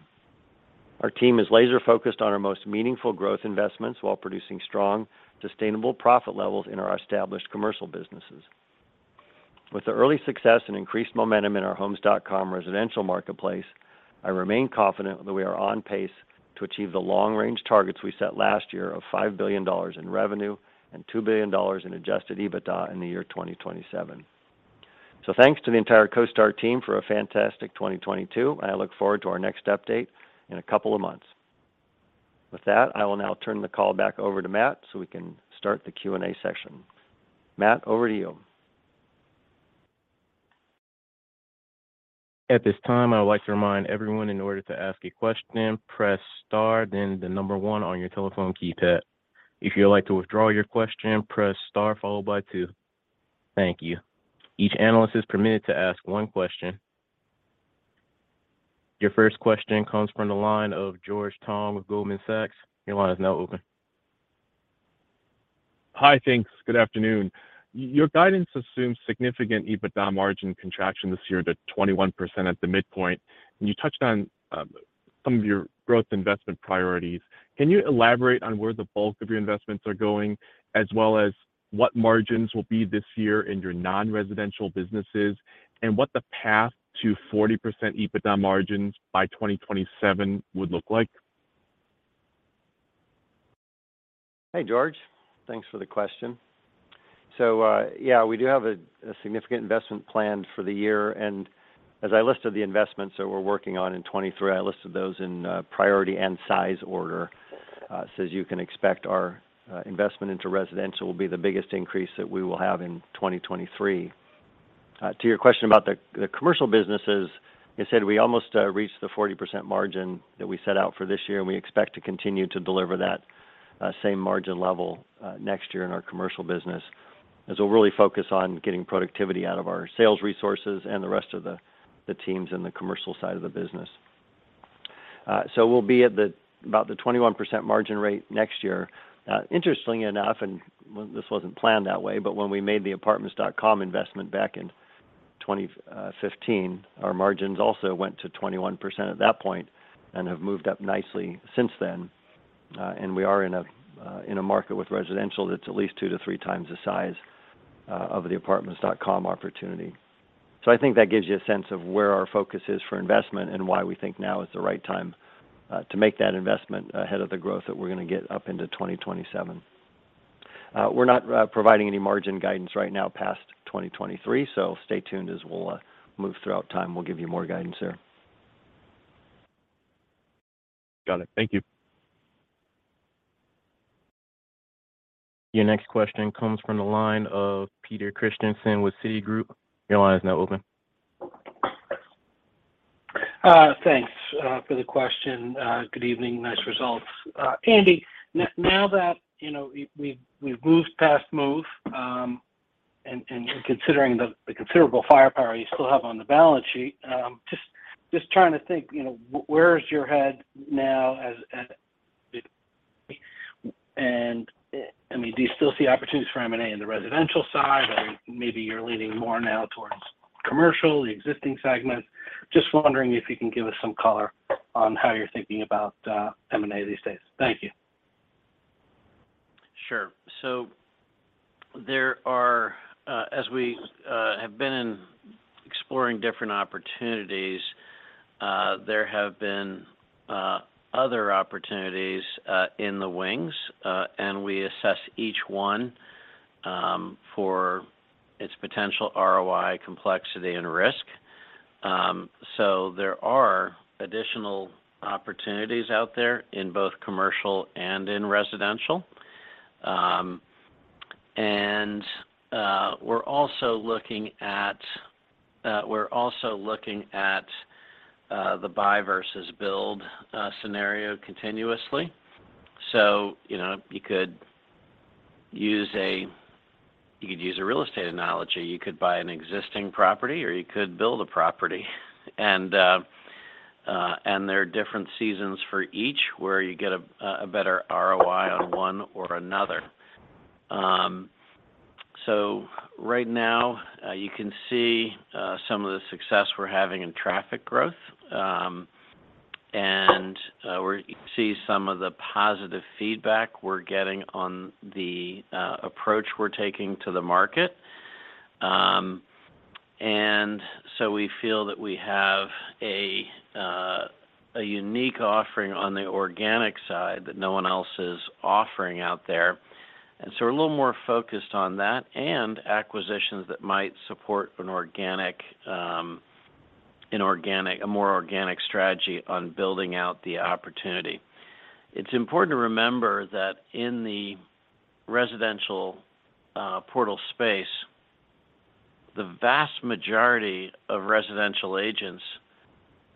Our team is laser-focused on our most meaningful growth investments while producing strong, sustainable profit levels in our established commercial businesses. With the early success and increased momentum in our Homes.com residential marketplace, I remain confident that we are on pace to achieve the long-range targets we set last year of $5 billion in revenue and $2 billion in adjusted EBITDA in the year 2027. Thanks to the entire CoStar team for a fantastic 2022. I look forward to our next update in a couple of months. I will now turn the call back over to Matt so we can start the Q&A session. Matt, over to you. At this time, I would like to remind everyone in order to ask a question, press star, then the number one on your telephone keypad. If you'd like to withdraw your question, press star followed by two. Thank you. Each analyst is permitted to ask one question. Your first question comes from the line of George Tong with Goldman Sachs. Your line is now open. Hi. Thanks. Good afternoon. Your guidance assumes significant EBITDA margin contraction this year to 21% at the midpoint, and you touched on some of your growth investment priorities. Can you elaborate on where the bulk of your investments are going, as well as what margins will be this year in your non-residential businesses and what the path to 40% EBITDA margins by 2027 would look like? Hey, George. Thanks for the question. Yeah, we do have a significant investment plan for the year. As I listed the investments that we're working on in 2023, I listed those in priority and size order, so as you can expect our investment into residential will be the biggest increase that we will have in 2023. To your question about the commercial businesses, I said we almost reached the 40% margin that we set out for this year, and we expect to continue to deliver that same margin level next year in our commercial business, as we're really focused on getting productivity out of our sales resources and the rest of the teams in the commercial side of the business. We'll be about the 21% margin rate next year. Interestingly enough, this wasn't planned that way, but when we made the Apartments.com investment back in 2015, our margins also went to 21% at that point and have moved up nicely since then. We are in a market with residential that's at least 2x to 3x the size of the Apartments.com opportunity. I think that gives you a sense of where our focus is for investment and why we think now is the right time to make that investment ahead of the growth that we're gonna get up into 2027. We're not providing any margin guidance right now past 2023, so stay tuned as we'll move throughout time. We'll give you more guidance there. Got it. Thank you. Your next question comes from the line of Peter Christensen with Citigroup. Your line is now open. Thanks for the question. Good evening. Nice results. Andy, now that, you know, we've moved past Move, and considering the considerable firepower you still have on the balance sheet, just trying to think, you know, where is your head now as. I mean, do you still see opportunities for M&A on the residential side, or maybe you're leaning more now towards commercial, the existing segment? Just wondering if you can give us some color on how you're thinking about M&A these days. Thank you. Sure. There are, as we have been in exploring different opportunities, there have been other opportunities in the wings, and we assess each one for its potential ROI, complexity and risk. There are additional opportunities out there in both commercial and in residential. We're also looking at the buy versus build scenario continuously. You know, you could use a real estate analogy. You could buy an existing property, or you could build a property. There are different seasons for each where you get a better ROI on one or another. Right now, you can see, some of the success we're having in traffic growth. We're see some of the positive feedback we're getting on the approach we're taking to the market. We feel that we have a unique offering on the organic side that no one else is offering out there. We're a little more focused on that and acquisitions that might support an organic, a more organic strategy on building out the opportunity. It's important to remember that in the residential portal space, the vast majority of residential agents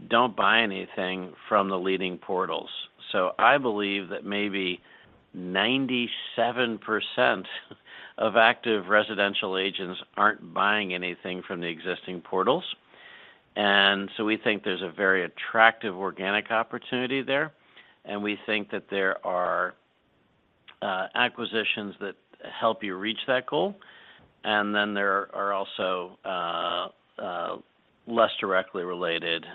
don't buy anything from the leading portals. I believe that maybe 97% of active residential agents aren't buying anything from the existing portals. We think there's a very attractive organic opportunity there. We think that there are acquisitions that help you reach that goal. There are also less directly related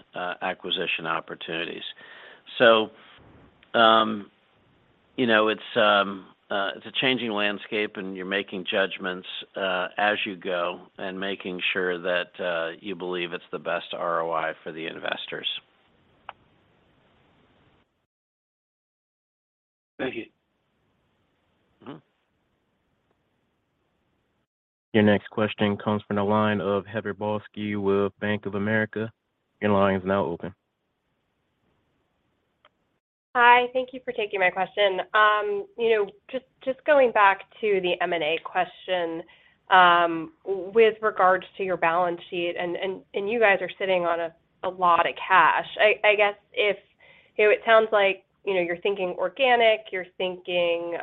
acquisition opportunities. You know, it's a changing landscape, and you're making judgments as you go and making sure that you believe it's the best ROI for the investors. Thank you. Mm-hmm. Your next question comes from the line of Heather Balsky with Bank of America. Your line is now open. Hi, thank you for taking my question. You know, just going back to the M&A question, with regards to your balance sheet and you guys are sitting on a lot of cash. You know, it sounds like, you know, you're thinking organic, you're thinking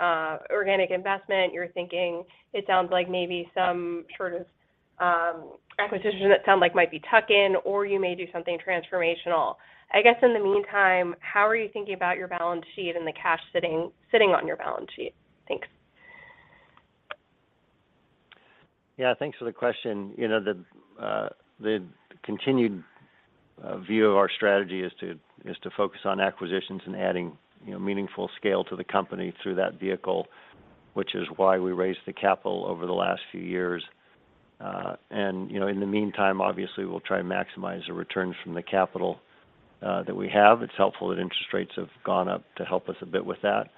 organic investment, you're thinking it sounds like maybe some sort of acquisition that sound like might be tuck-in or you may do something transformational. I guess in the meantime, how are you thinking about your balance sheet and the cash sitting on your balance sheet? Thanks. Yeah. Thanks for the question. You know, the continued view of our strategy is to focus on acquisitions and adding, you know, meaningful scale to the company through that vehicle, which is why we raised the capital over the last few years. You know, in the meantime, obviously we'll try and maximize the returns from the capital that we have. It's helpful that interest rates have gone up to help us a bit with that.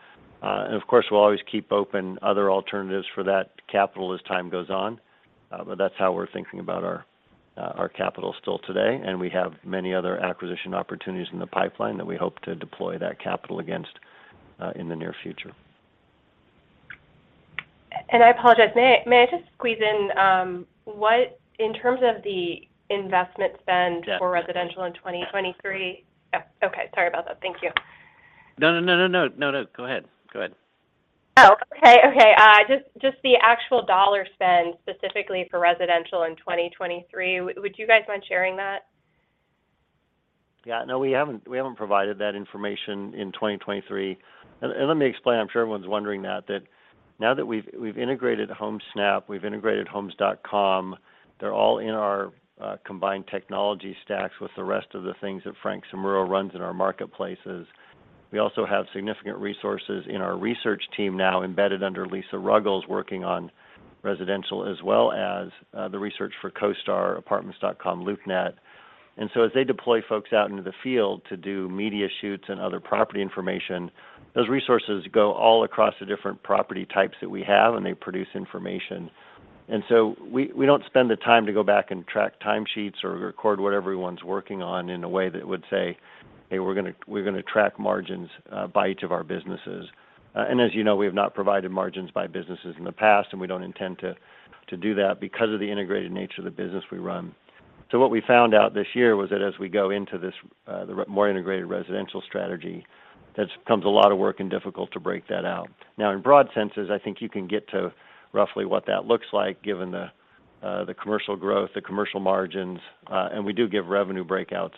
Of course, we'll always keep open other alternatives for that capital as time goes on. But that's how we're thinking about our capital still today. We have many other acquisition opportunities in the pipeline that we hope to deploy that capital against in the near future. I apologize, may I just squeeze in, what in terms of the investment spend? Yes. for residential in 2023. Oh, okay. Sorry about that. Thank you. No, no, no. No, no, go ahead. Oh, okay. Okay. Just the actual dollar spend specifically for residential in 2023. Would you guys mind sharing that? Yeah. No, we haven't provided that information in 2023. Let me explain, I'm sure everyone's wondering that now that we've integrated Homesnap, we've integrated Homes.com, they're all in our combined technology stacks with the rest of the things that Frank Simielo runs in our marketplaces. We also have significant resources in our research team now embedded under Lisa Ruggles working on residential as well as the research for CoStar, Apartments.com, LoopNet. As they deploy folks out into the field to do media shoots and other property information, those resources go all across the different property types that we have, and they produce information. We don't spend the time to go back and track time sheets or record what everyone's working on in a way that would say, "Hey, we're gonna track margins by each of our businesses." As you know, we have not provided margins by businesses in the past, and we don't intend to do that because of the integrated nature of the business we run. What we found out this year was that as we go into this, the more integrated residential strategy, that becomes a lot of work and difficult to break that out. Now, in broad senses, I think you can get to roughly what that looks like given the commercial growth, the commercial margins. We do give revenue breakouts,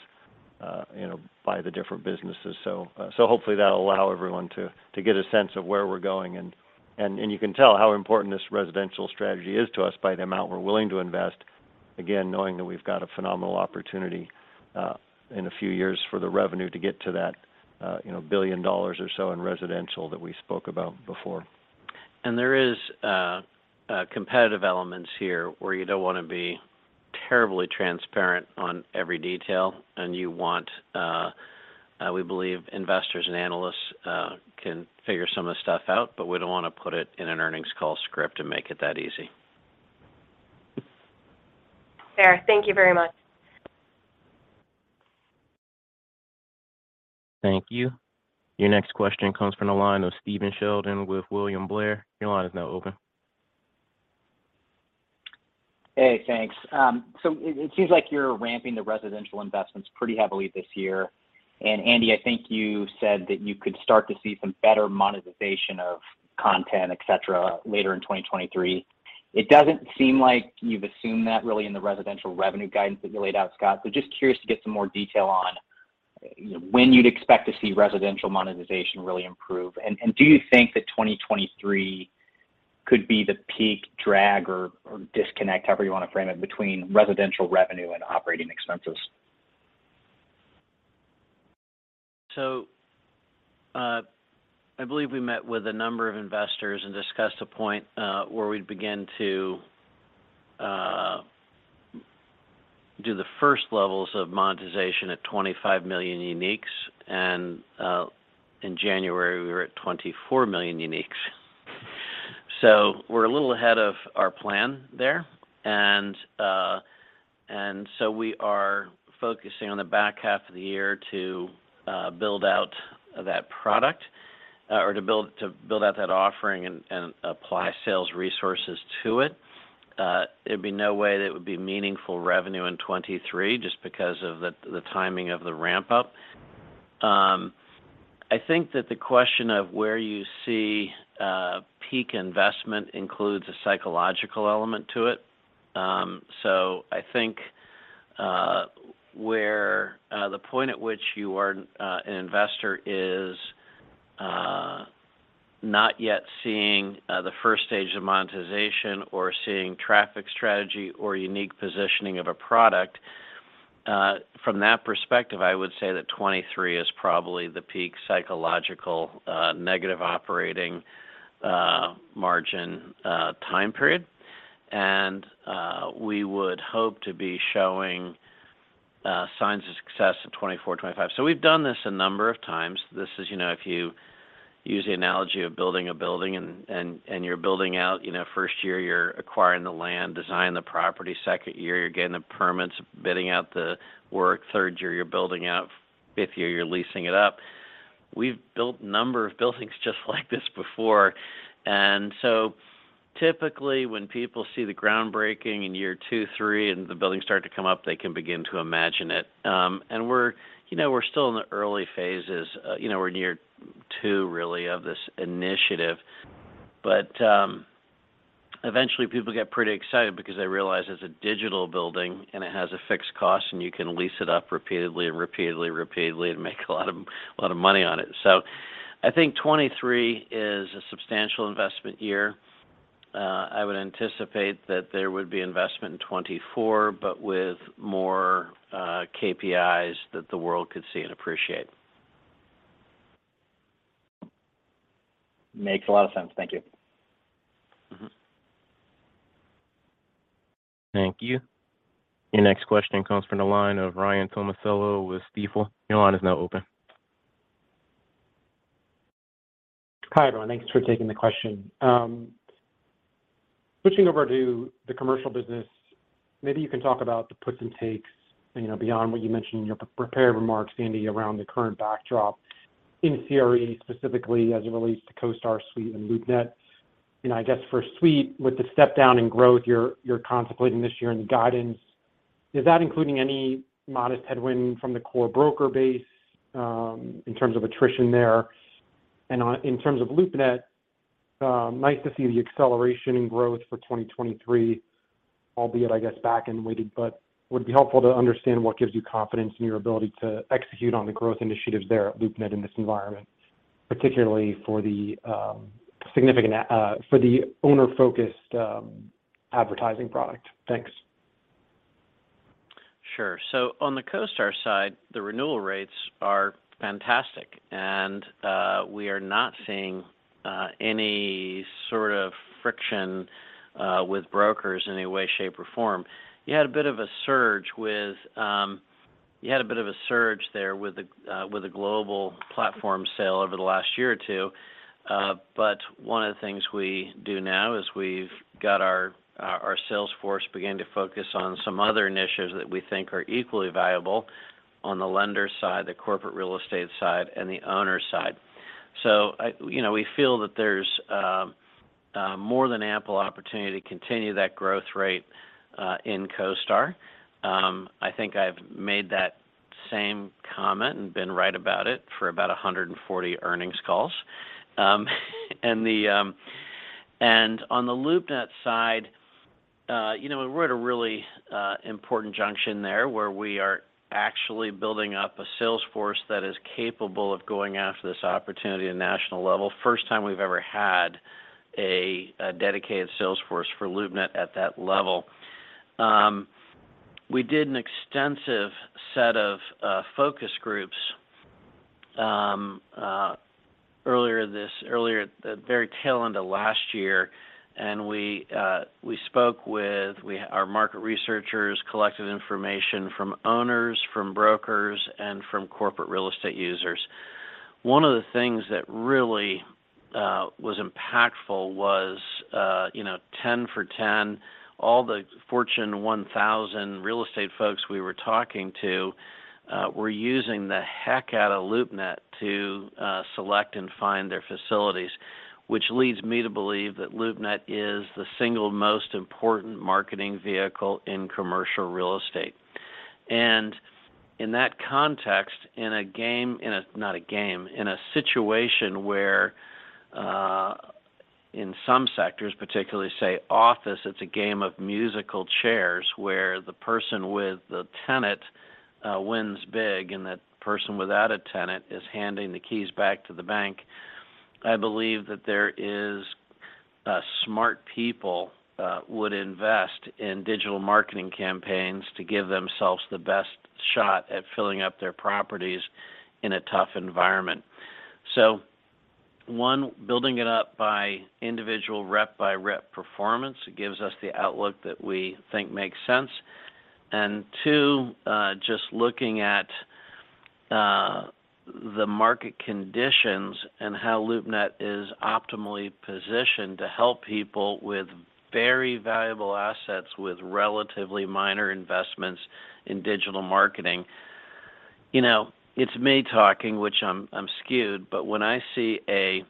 you know, by the different businesses. Hopefully that'll allow everyone to get a sense of where we're going. You can tell how important this residential strategy is to us by the amount we're willing to invest, again, knowing that we've got a phenomenal opportunity in a few years for the revenue to get to that, you know, $1 billion or so in residential that we spoke about before. There is competitive elements here where you don't wanna be terribly transparent on every detail, and you want. We believe investors and analysts can figure some of the stuff out, but we don't wanna put it in an earnings call script and make it that easy. Fair. Thank you very much. Thank you. Your next question comes from the line of Stephen Sheldon with William Blair. Your line is now open. Hey, thanks. It seems like you're ramping the residential investments pretty heavily this year. Andy, I think you said that you could start to see some better monetization of content, et cetera, later in 2023. It doesn't seem like you've assumed that really in the residential revenue guidance that you laid out, Scott. Just curious to get some more detail on, you know, when you'd expect to see residential monetization really improve. And do you think that 2023 could be the peak drag or disconnect, however you wanna frame it, between residential revenue and operating expenses? I believe we met with a number of investors and discussed a point where we'd begin to do the first levels of monetization at 25 million uniques. In January, we were at 24 million uniques. We're a little ahead of our plan there. We are focusing on the back half of the year to build out that product or to build out that offering and apply sales resources to it. There'd be no way that it would be meaningful revenue in 2023 just because of the timing of the ramp-up. I think that the question of where you see peak investment includes a psychological element to it. I think where the point at which you are an investor is not yet seeing the first stage of monetization or seeing traffic strategy or unique positioning of a product. From that perspective, I would say that 23 is probably the peak psychological negative operating margin time period. We would hope to be showing signs of success in 24, 25. We've done this a number of times. This is, you know, if you use the analogy of building a building and you're building out. You know, first year you're acquiring the land, design the property. Second year you're getting the permits, bidding out the work. Third year you're building out. Fifth year you're leasing it up. We've built a number of buildings just like this before. Typically when people see the groundbreaking in year two, three, and the buildings start to come up, they can begin to imagine it. And we're, you know, we're still in the early phases. You know, we're in year two really of this initiative. Eventually people get pretty excited because they realize it's a digital building, and it has a fixed cost, and you can lease it up repeatedly and repeatedly and repeatedly and make a lot of money on it. I think 2023 is a substantial investment year. I would anticipate that there would be investment in 2024, but with more KPIs that the world could see and appreciate. Makes a lot of sense. Thank you. Mm-hmm. Thank you. Your next question comes from the line of Ryan Tomasello with Stifel. Your line is now open. Hi, everyone. Thanks for taking the question. Switching over to the commercial business, maybe you can talk about the puts and takes, you know, beyond what you mentioned in your prepared remarks, Andy, around the current backdrop in CRE, specifically as it relates to CoStar Suite and LoopNet. You know, I guess for Suite, with the step down in growth you're contemplating this year in the guidance, is that including any modest headwind from the core broker base in terms of attrition there? In terms of LoopNet, nice to see the acceleration in growth for 2023, albeit I guess back-ended weighted. Would it be helpful to understand what gives you confidence in your ability to execute on the growth initiatives there at LoopNet in this environment, particularly for the significant for the owner-focused advertising product? Thanks. Sure. On the CoStar side, the renewal rates are fantastic. We are not seeing any sort of friction with brokers in any way, shape, or form. You had a bit of a surge there with a global platform sale over the last year or two. One of the things we do now is we've got our sales force beginning to focus on some other initiatives that we think are equally valuable on the lender side, the corporate real estate side, and the owner side. You know, we feel that there's more than ample opportunity to continue that growth rate in CoStar. I think I've made that same comment and been right about it for about 140 earnings calls. On the LoopNet side, you know, we're at a really important junction there, where we are actually building up a sales force that is capable of going after this opportunity at national level. First time we've ever had a dedicated sales force for LoopNet at that level. We did an extensive set of focus groups the very tail end of last year. We, our market researchers collected information from owners, from brokers, and from corporate real estate users. One of the things that really was impactful was, you know, 10 for 10, all the Fortune 1000 real estate folks we were talking to, were using the heck out of LoopNet to select and find their facilities, which leads me to believe that LoopNet is the single most important marketing vehicle in commercial real estate. In that context, in a game... in a, not a game, in a situation where, in some sectors, particularly, say, office, it's a game of musical chairs where the person with the tenant, wins big and the person without a tenant is handing the keys back to the bank, I believe that there is, smart people, would invest in digital marketing campaigns to give themselves the best shot at filling up their properties in a tough environment. One, building it up by individual rep by rep performance gives us the outlook that we think makes sense. Two, just looking at, the market conditions and how LoopNet is optimally positioned to help people with very valuable assets with relatively minor investments in digital marketing. You know, it's me talking, which I'm skewed, when I see a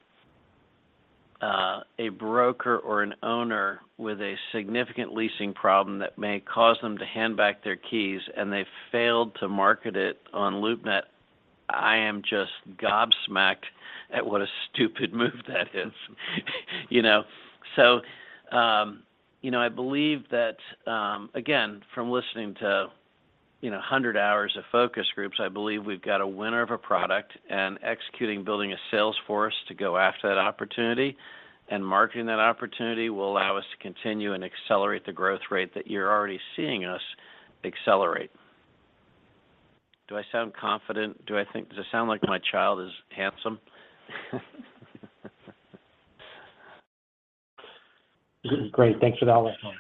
broker or an owner with a significant leasing problem that may cause them to hand back their keys and they've failed to market it on LoopNet, I am just gobsmacked at what a stupid move that is, you know? You know, I believe that, again, from listening to, you know, 100 hours of focus groups, I believe we've got a winner of a product and executing building a sales force to go after that opportunity and marketing that opportunity will allow us to continue and accelerate the growth rate that you're already seeing us accelerate. Do I sound confident? Does it sound like my child is handsome? Great. Thanks for the outlook. Mm-hmm. Thank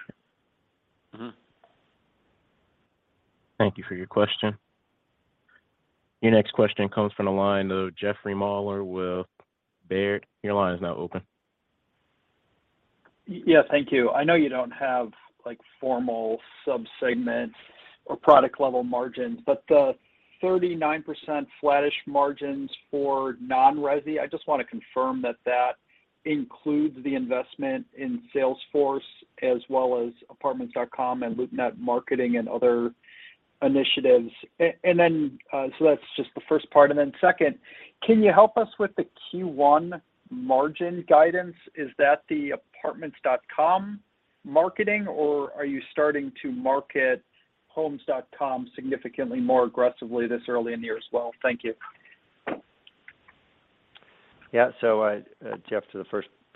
you for your question. Your next question comes from the line of Jeffrey Meuler with Baird. Your line is now open. Yeah. Thank you. I know you don't have, like, formal sub-segments or product level margins, but the 39% flattish margins for non-resi, I just want to confirm that that includes the investment in Salesforce as well as Apartments.com and LoopNet marketing and other initiatives. That's just the first part. Second, can you help us with the Q1 margin guidance? Is that the Apartments.com marketing or are you starting to market Homes.com significantly more aggressively this early in the year as well? Thank you. Yeah. Jeff, to the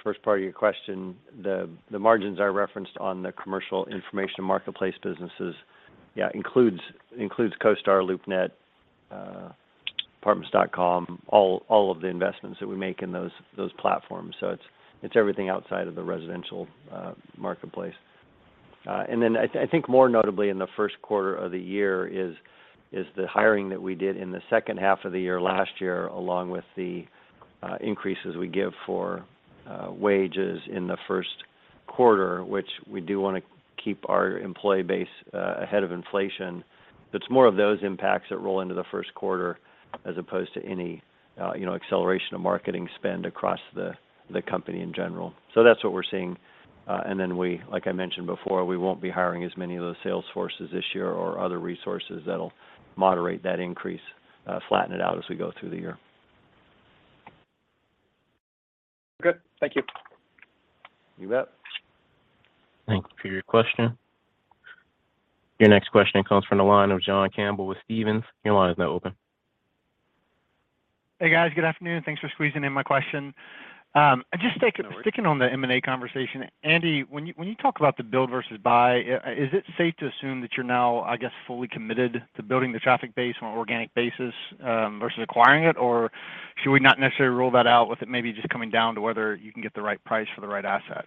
first part of your question, the margins I referenced on the commercial information marketplace businesses, includes CoStar, LoopNet, Apartments.com, all of the investments that we make in those platforms. It's everything outside of the residential marketplace. I think more notably in the Q1 of the year is the hiring that we did in the second half of the year last year, along with the increases we give for wages in the Q1, which we do wanna keep our employee base ahead of inflation. It's more of those impacts that roll into the Q1 as opposed to any, you know, acceleration of marketing spend across the company in general. That's what we're seeing. We, like I mentioned before, we won't be hiring as many of those sales forces this year or other resources that'll moderate that increase, flatten it out as we go through the year. Good. Thank you. You bet. Thank you for your question. Your next question comes from the line of John Campbell with Stephens. Your line is now open. Hey, guys. Good afternoon. Thanks for squeezing in my question. No worries. Sticking on the M&A conversation, Andy, when you talk about the build versus buy, is it safe to assume that you're now, I guess, fully committed to building the traffic base on an organic basis versus acquiring it? Should we not necessarily rule that out with it maybe just coming down to whether you can get the right price for the right asset?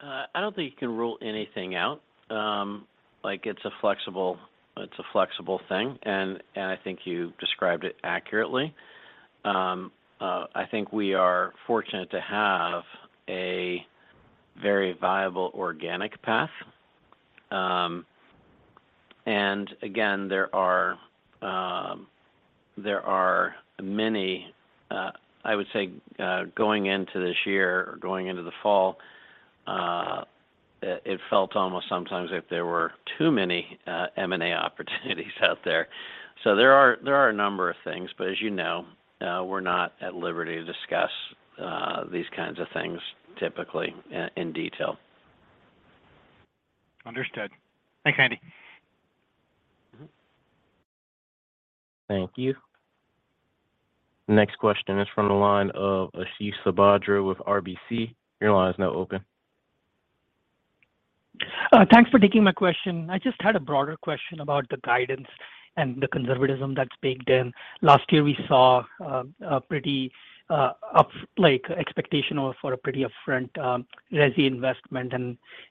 I don't think you can rule anything out. like, it's a flexible thing, and I think you described it accurately. I think we are fortunate to have a very viable organic path. and again, there are many, I would say, going into this year or going into the fall, it felt almost sometimes like there were too many M&A opportunities out there. There are a number of things, but as you know, we're not at liberty to discuss these kinds of things typically in detail. Understood. Thanks, Andy. Mm-hmm. Thank you. Next question is from the line of Ashish Sabadra with RBC. Your line is now open. Thanks for taking my question. I just had a broader question about the guidance and the conservatism that's baked in. Last year we saw a pretty up like expectational for a pretty upfront resi investment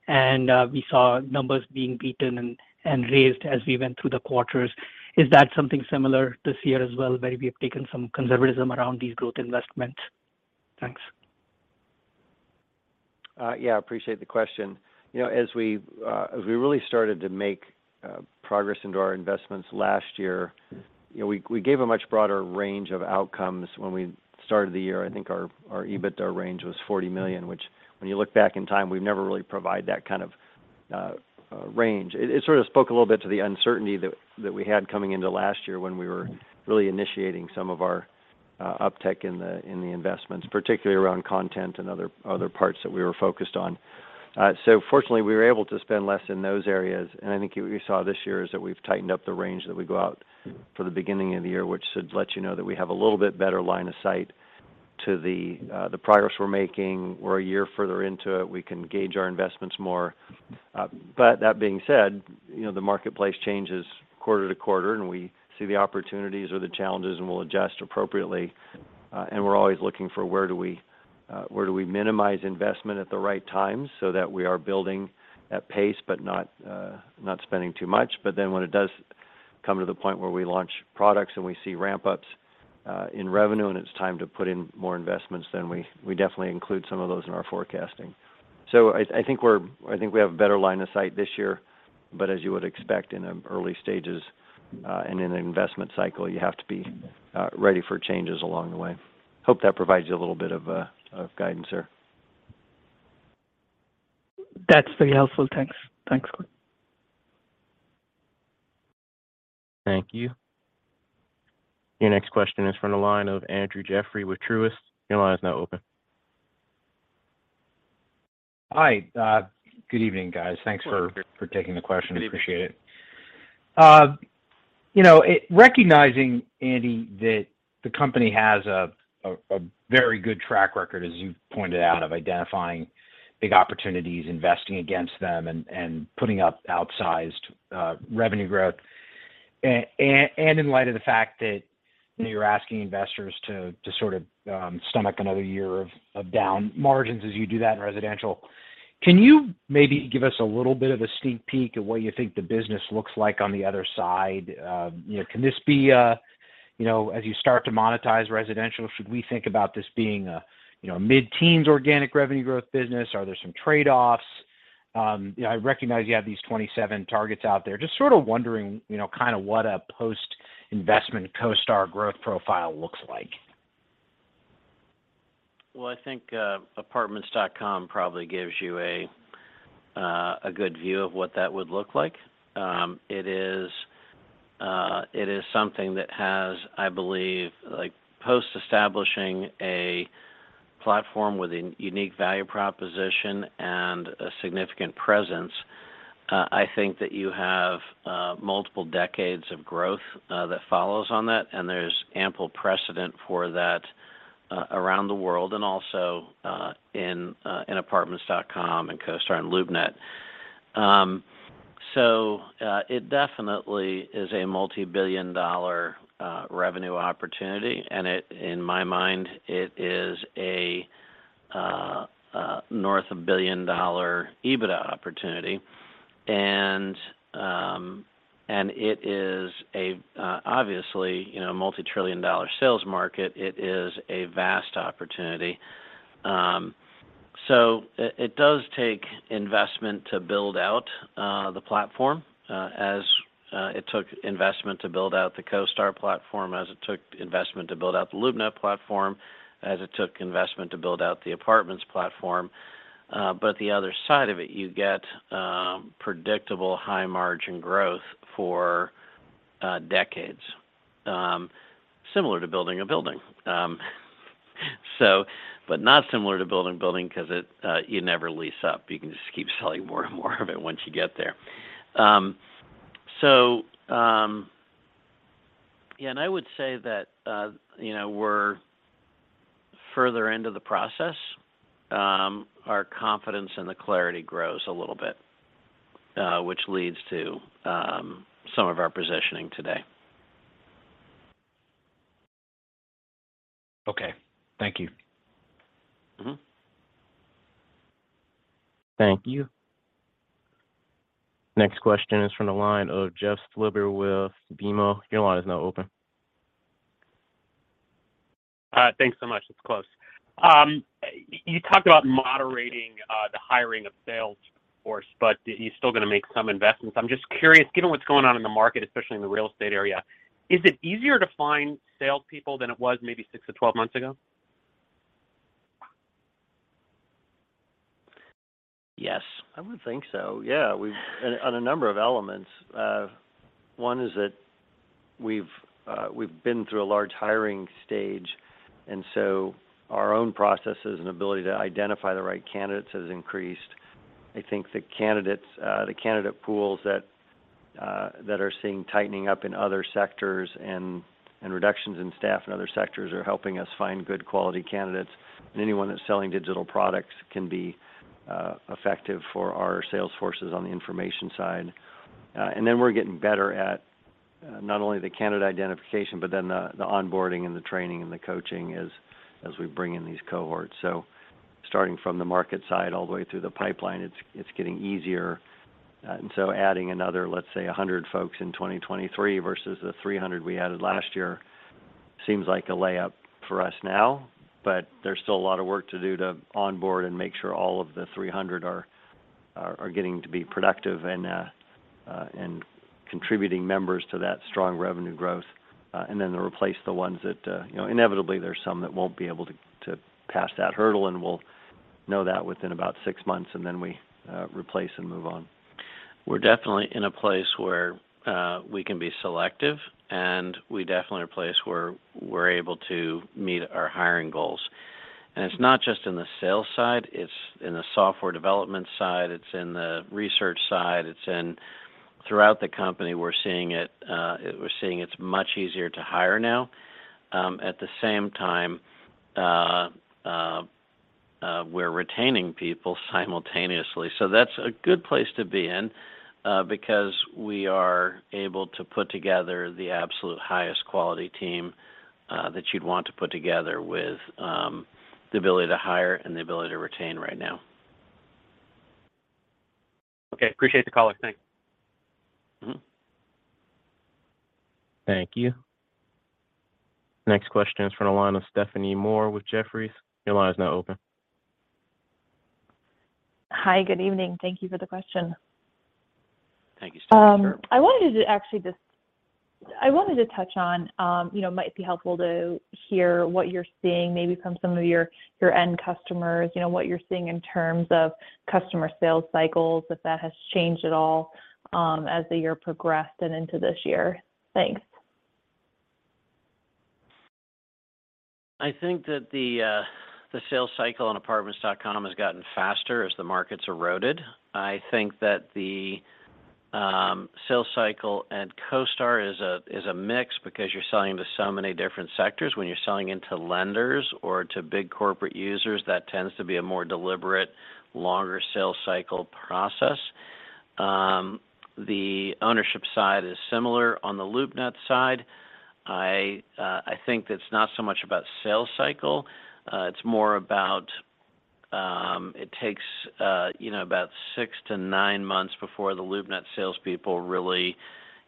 and we saw numbers being beaten and raised as we went through the quarters. Is that something similar this year as well, where we have taken some conservatism around these growth investments? Thanks. Yeah, I appreciate the question. You know, as we really started to make progress into our investments last year, you know, we gave a much broader range of outcomes when we started the year. I think our EBITDA range was $40 million, which when you look back in time, we never really provide that kind of range. It sort of spoke a little bit to the uncertainty that we had coming into last year when we were really initiating some of our uptick in the investments, particularly around content and other parts that we were focused on. Fortunately, we were able to spend less in those areas. I think what you saw this year is that we've tightened up the range that we go out for the beginning of the year, which should let you know that we have a little bit better line of sight to the progress we're making. We're a year further into it. We can gauge our investments more. That being said, you know, the marketplace changes quarter to quarter, and we see the opportunities or the challenges, and we'll adjust appropriately. We're always looking for where do we minimize investment at the right time so that we are building at pace but not spending too much. When it does come to the point where we launch products and we see ramp-ups in revenue, and it's time to put in more investments, we definitely include some of those in our forecasting. I think we have a better line of sight this year, but as you would expect in early stages and in an investment cycle, you have to be ready for changes along the way. Hope that provides you a little bit of guidance there. That's very helpful. Thanks. Thanks, Glenn. Thank you. Your next question is from the line of Andrew Jeffrey with Truist. Your line is now open. Hi. Good evening, guys. Thanks. Good evening. for taking the question. Appreciate it. You know, Recognizing, Andy, that the company has a very good track record, as you pointed out, of identifying big opportunities, investing against them and putting up outsized revenue growth. In light of the fact that, you know, you're asking investors to sort of stomach another year of down margins as you do that in residential. Can you maybe give us a little bit of a sneak peek at what you think the business looks like on the other side? You know, can this be, you know, as you start to monetize residential, should we think about this being a, you know, mid-teens organic revenue growth business? Are there some trade-offs? You know, I recognize you have these 27 targets out there. Just sort of wondering, you know, kind of what a post-investment CoStar growth profile looks like. I think Apartments.com probably gives you a good view of what that would look like. It is something that has, I believe, like post-establishing a platform with a unique value proposition and a significant presence, I think that you have multiple decades of growth that follows on that, and there's ample precedent for that around the world and also in Apartments.com and CoStar and LoopNet. It definitely is a multi-billion dollar revenue opportunity, and in my mind, it is a north of billion dollar EBITDA opportunity. It is a, obviously, you know, multi-trillion dollar sales market. It is a vast opportunity. It does take investment to build out the platform as it took investment to build out the CoStar platform, as it took investment to build out the LoopNet platform, as it took investment to build out the apartments platform. The other side of it, you get predictable high-margin growth for decades, similar to building a building. Not similar to building a building because it, you never lease up. You can just keep selling more and more of it once you get there. I would say that, you know, we're further into the process. Our confidence in the clarity grows a little bit, which leads to some of our positioning today. Okay. Thank you. Mm-hmm. Thank you. Next question is from the line of Jeffrey Silber with BMO. Your line is now open. Thanks so much. It's close. You talked about moderating the hiring of sales force, you're still gonna make some investments. I'm just curious, given what's going on in the market, especially in the real estate area, is it easier to find salespeople than it was maybe 6 to 12 months ago? Yes, I would think so. Yeah. We've on a number of elements. One is that we've been through a large hiring stage, our own processes and ability to identify the right candidates has increased. I think the candidates, the candidate pools that are seeing tightening up in other sectors and reductions in staff in other sectors are helping us find good quality candidates. Anyone that's selling digital products can be effective for our sales forces on the information side. We're getting better at not only the candidate identification, the onboarding and the training and the coaching as we bring in these cohorts. Starting from the market side all the way through the pipeline, it's getting easier. Adding another, let's say, 100 folks in 2023 versus the 300 we added last year. Seems like a layup for us now. There's still a lot of work to do to onboard and make sure all of the 300 are getting to be productive and contributing members to that strong revenue growth. To replace the ones that, you know, inevitably there's some that won't be able to pass that hurdle, and we'll know that within about six months, and then we replace and move on. We're definitely in a place where we can be selective, and we definitely are in a place where we're able to meet our hiring goals. It's not just in the sales side, it's in the software development side, it's in the research side. Throughout the company, we're seeing it, we're seeing it's much easier to hire now. At the same time, we're retaining people simultaneously. That's a good place to be in, because we are able to put together the absolute highest quality team, that you'd want to put together with the ability to hire and the ability to retain right now. Okay. Appreciate the call. Thanks. Mm-hmm. Thank you. Next question is from the line of Stephanie Moore with Jefferies. Your line is now open. Hi. Good evening. Thank you for the question. Thank you, Stephanie. Sure. I wanted to actually touch on. You know, it might be helpful to hear what you're seeing maybe from some of your end customers. You know, what you're seeing in terms of customer sales cycles, if that has changed at all, as the year progressed and into this year. Thanks. I think that the sales cycle on Apartments.com has gotten faster as the market's eroded. I think that the sales cycle at CoStar is a mix because you're selling to so many different sectors. When you're selling into lenders or to big corporate users, that tends to be a more deliberate, longer sales cycle process. The ownership side is similar. On the LoopNet side, I think that it's not so much about sales cycle, it's more about, it takes, you know, about six to nine months before the LoopNet salespeople really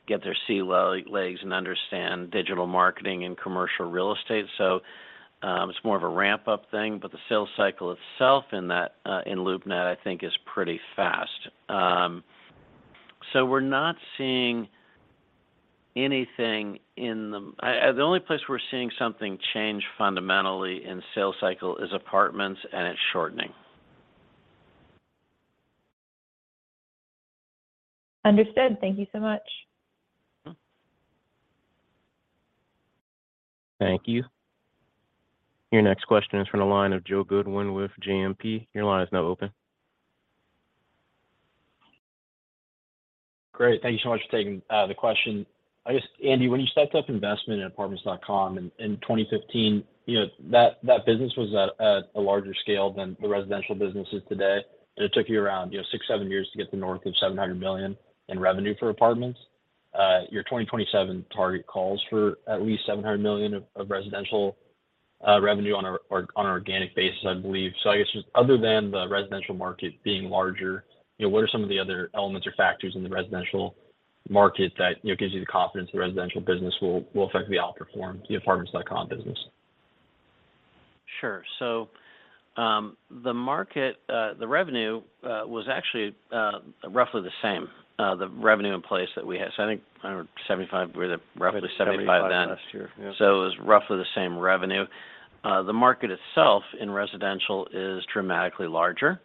get their sea legs and understand digital marketing and commercial real estate. It's more of a ramp-up thing, but the sales cycle itself in that in LoopNet I think is pretty fast. We're not seeing anything in the... The only place we're seeing something change fundamentally in sales cycle is apartments, and it's shortening. Understood. Thank you so much. Mm-hmm. Thank you. Your next question is from the line of George Tong with JMP. Your line is now open. Great. Thank you so much for taking the question. I guess, Andy, when you start up investment in Apartments.com in 2015, you know, that business was at a larger scale than the residential business is today. It took you around, you know, six, seven years to get to north of $700 million in revenue for apartments. Your 2027 target calls for at least $700 million of residential revenue on an organic basis, I believe. I guess just other than the residential market being larger, you know, what are some of the other elements or factors in the residential market that, you know, gives you the confidence the residential business will effectively outperform the Apartments.com business? Sure. The market, the revenue, was actually, roughly the same, the revenue in place that we had. I think around 75, we were at roughly 75 then. 75 last year. Yeah. It was roughly the same revenue. The market itself in residential is dramatically larger.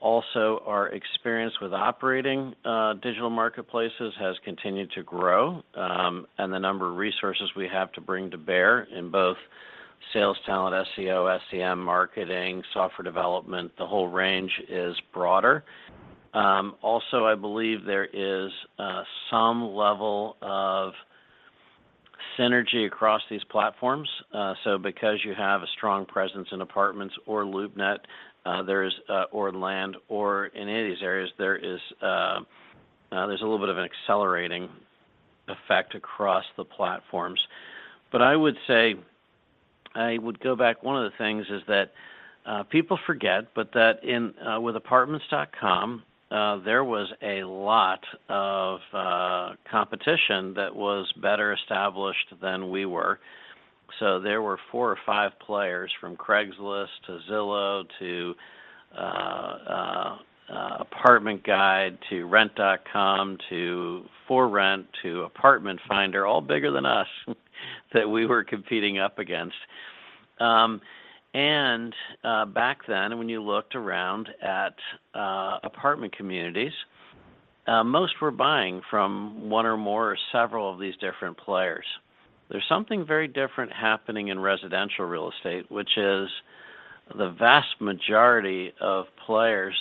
Also our experience with operating digital marketplaces has continued to grow. The number of resources we have to bring to bear in both sales talent, SEO, SEM marketing, software development, the whole range is broader. Also I believe there is some level of synergy across these platforms. Because you have a strong presence in Apartments or LoopNet, there is a little bit of an accelerating effect across the platforms. I would say, I would go back, one of the things is that people forget, but that in with Apartments.com, there was a lot of competition that was better established than we were. There were four or five players from Craigslist to Zillow to Apartment Guide to rent.com to ForRent.com to Apartment Finder, all bigger than us that we were competing up against. Back then when you looked around at apartment communities, most were buying from one or more or several of these different players. There's something very different happening in residential real estate, which is the vast majority of players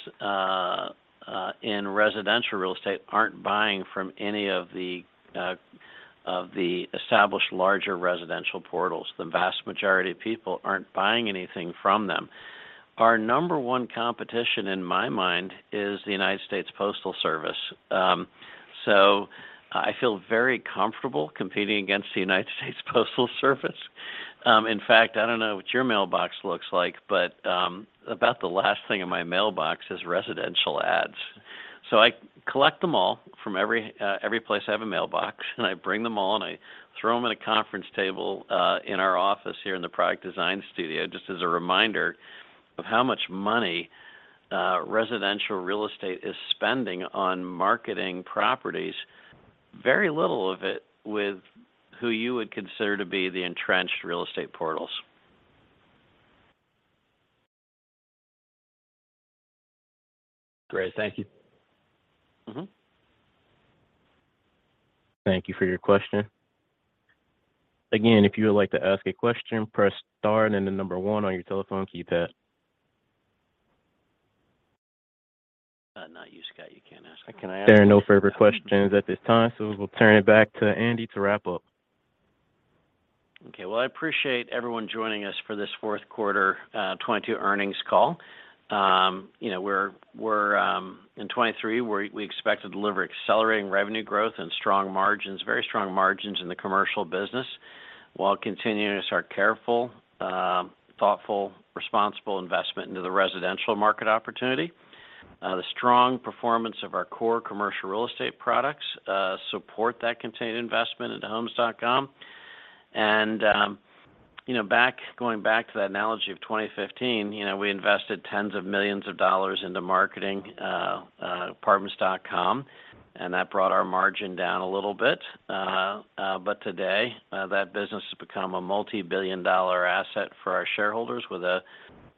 in residential real estate aren't buying from any of the established larger residential portals. The vast majority of people aren't buying anything from them. Our number 1one competition in my mind is the United States Postal Service. I feel very comfortable competing against the United States Postal Service. In fact, I don't know what your mailbox looks like, about the last thing in my mailbox is residential ads. I collect them all from every place I have a mailbox, and I bring them all and I throw them in a conference table in our office here in the product design studio, just as a reminder of how much money residential real estate is spending on marketing properties. Very little of it with who you would consider to be the entrenched real estate portals. Great. Thank you. Mm-hmm. Thank you for your question. Again, if you would like to ask a question, press star and then the number one on your telephone keypad. Not you, Scott. You can't ask. There are no further questions at this time, so we'll turn it back to Andy to wrap up. Well, I appreciate everyone joining us for this Q4 2022 earnings call. You know, we're in 2023, we expect to deliver accelerating revenue growth and strong margins, very strong margins in the commercial business while continuing to start careful, thoughtful, responsible investment into the residential market opportunity. The strong performance of our core commercial real estate products support that contained investment into Homes.com. You know, going back to that analogy of 2015, you know, we invested tens of millions of dollars into marketing Apartments.com, and that brought our margin down a little bit. Today, that business has become a multi-billion dollar asset for our shareholders with a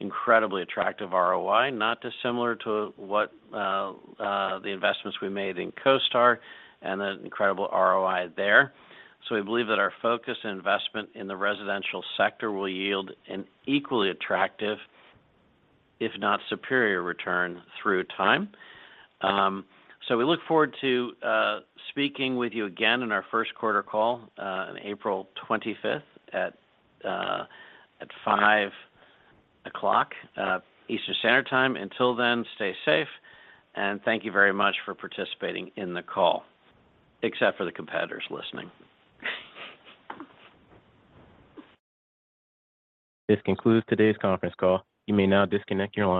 incredibly attractive ROI, not dissimilar to what the investments we made in CoStar and the incredible ROI there. We believe that our focus and investment in the residential sector will yield an equally attractive, if not superior return through time. We look forward to speaking with you again in our Q1 call on April 25th at 5:00 P.M. Eastern Standard Time. Until then, stay safe, and thank you very much for participating in the call. Except for the competitors listening. This concludes today's conference call. You may now disconnect your line.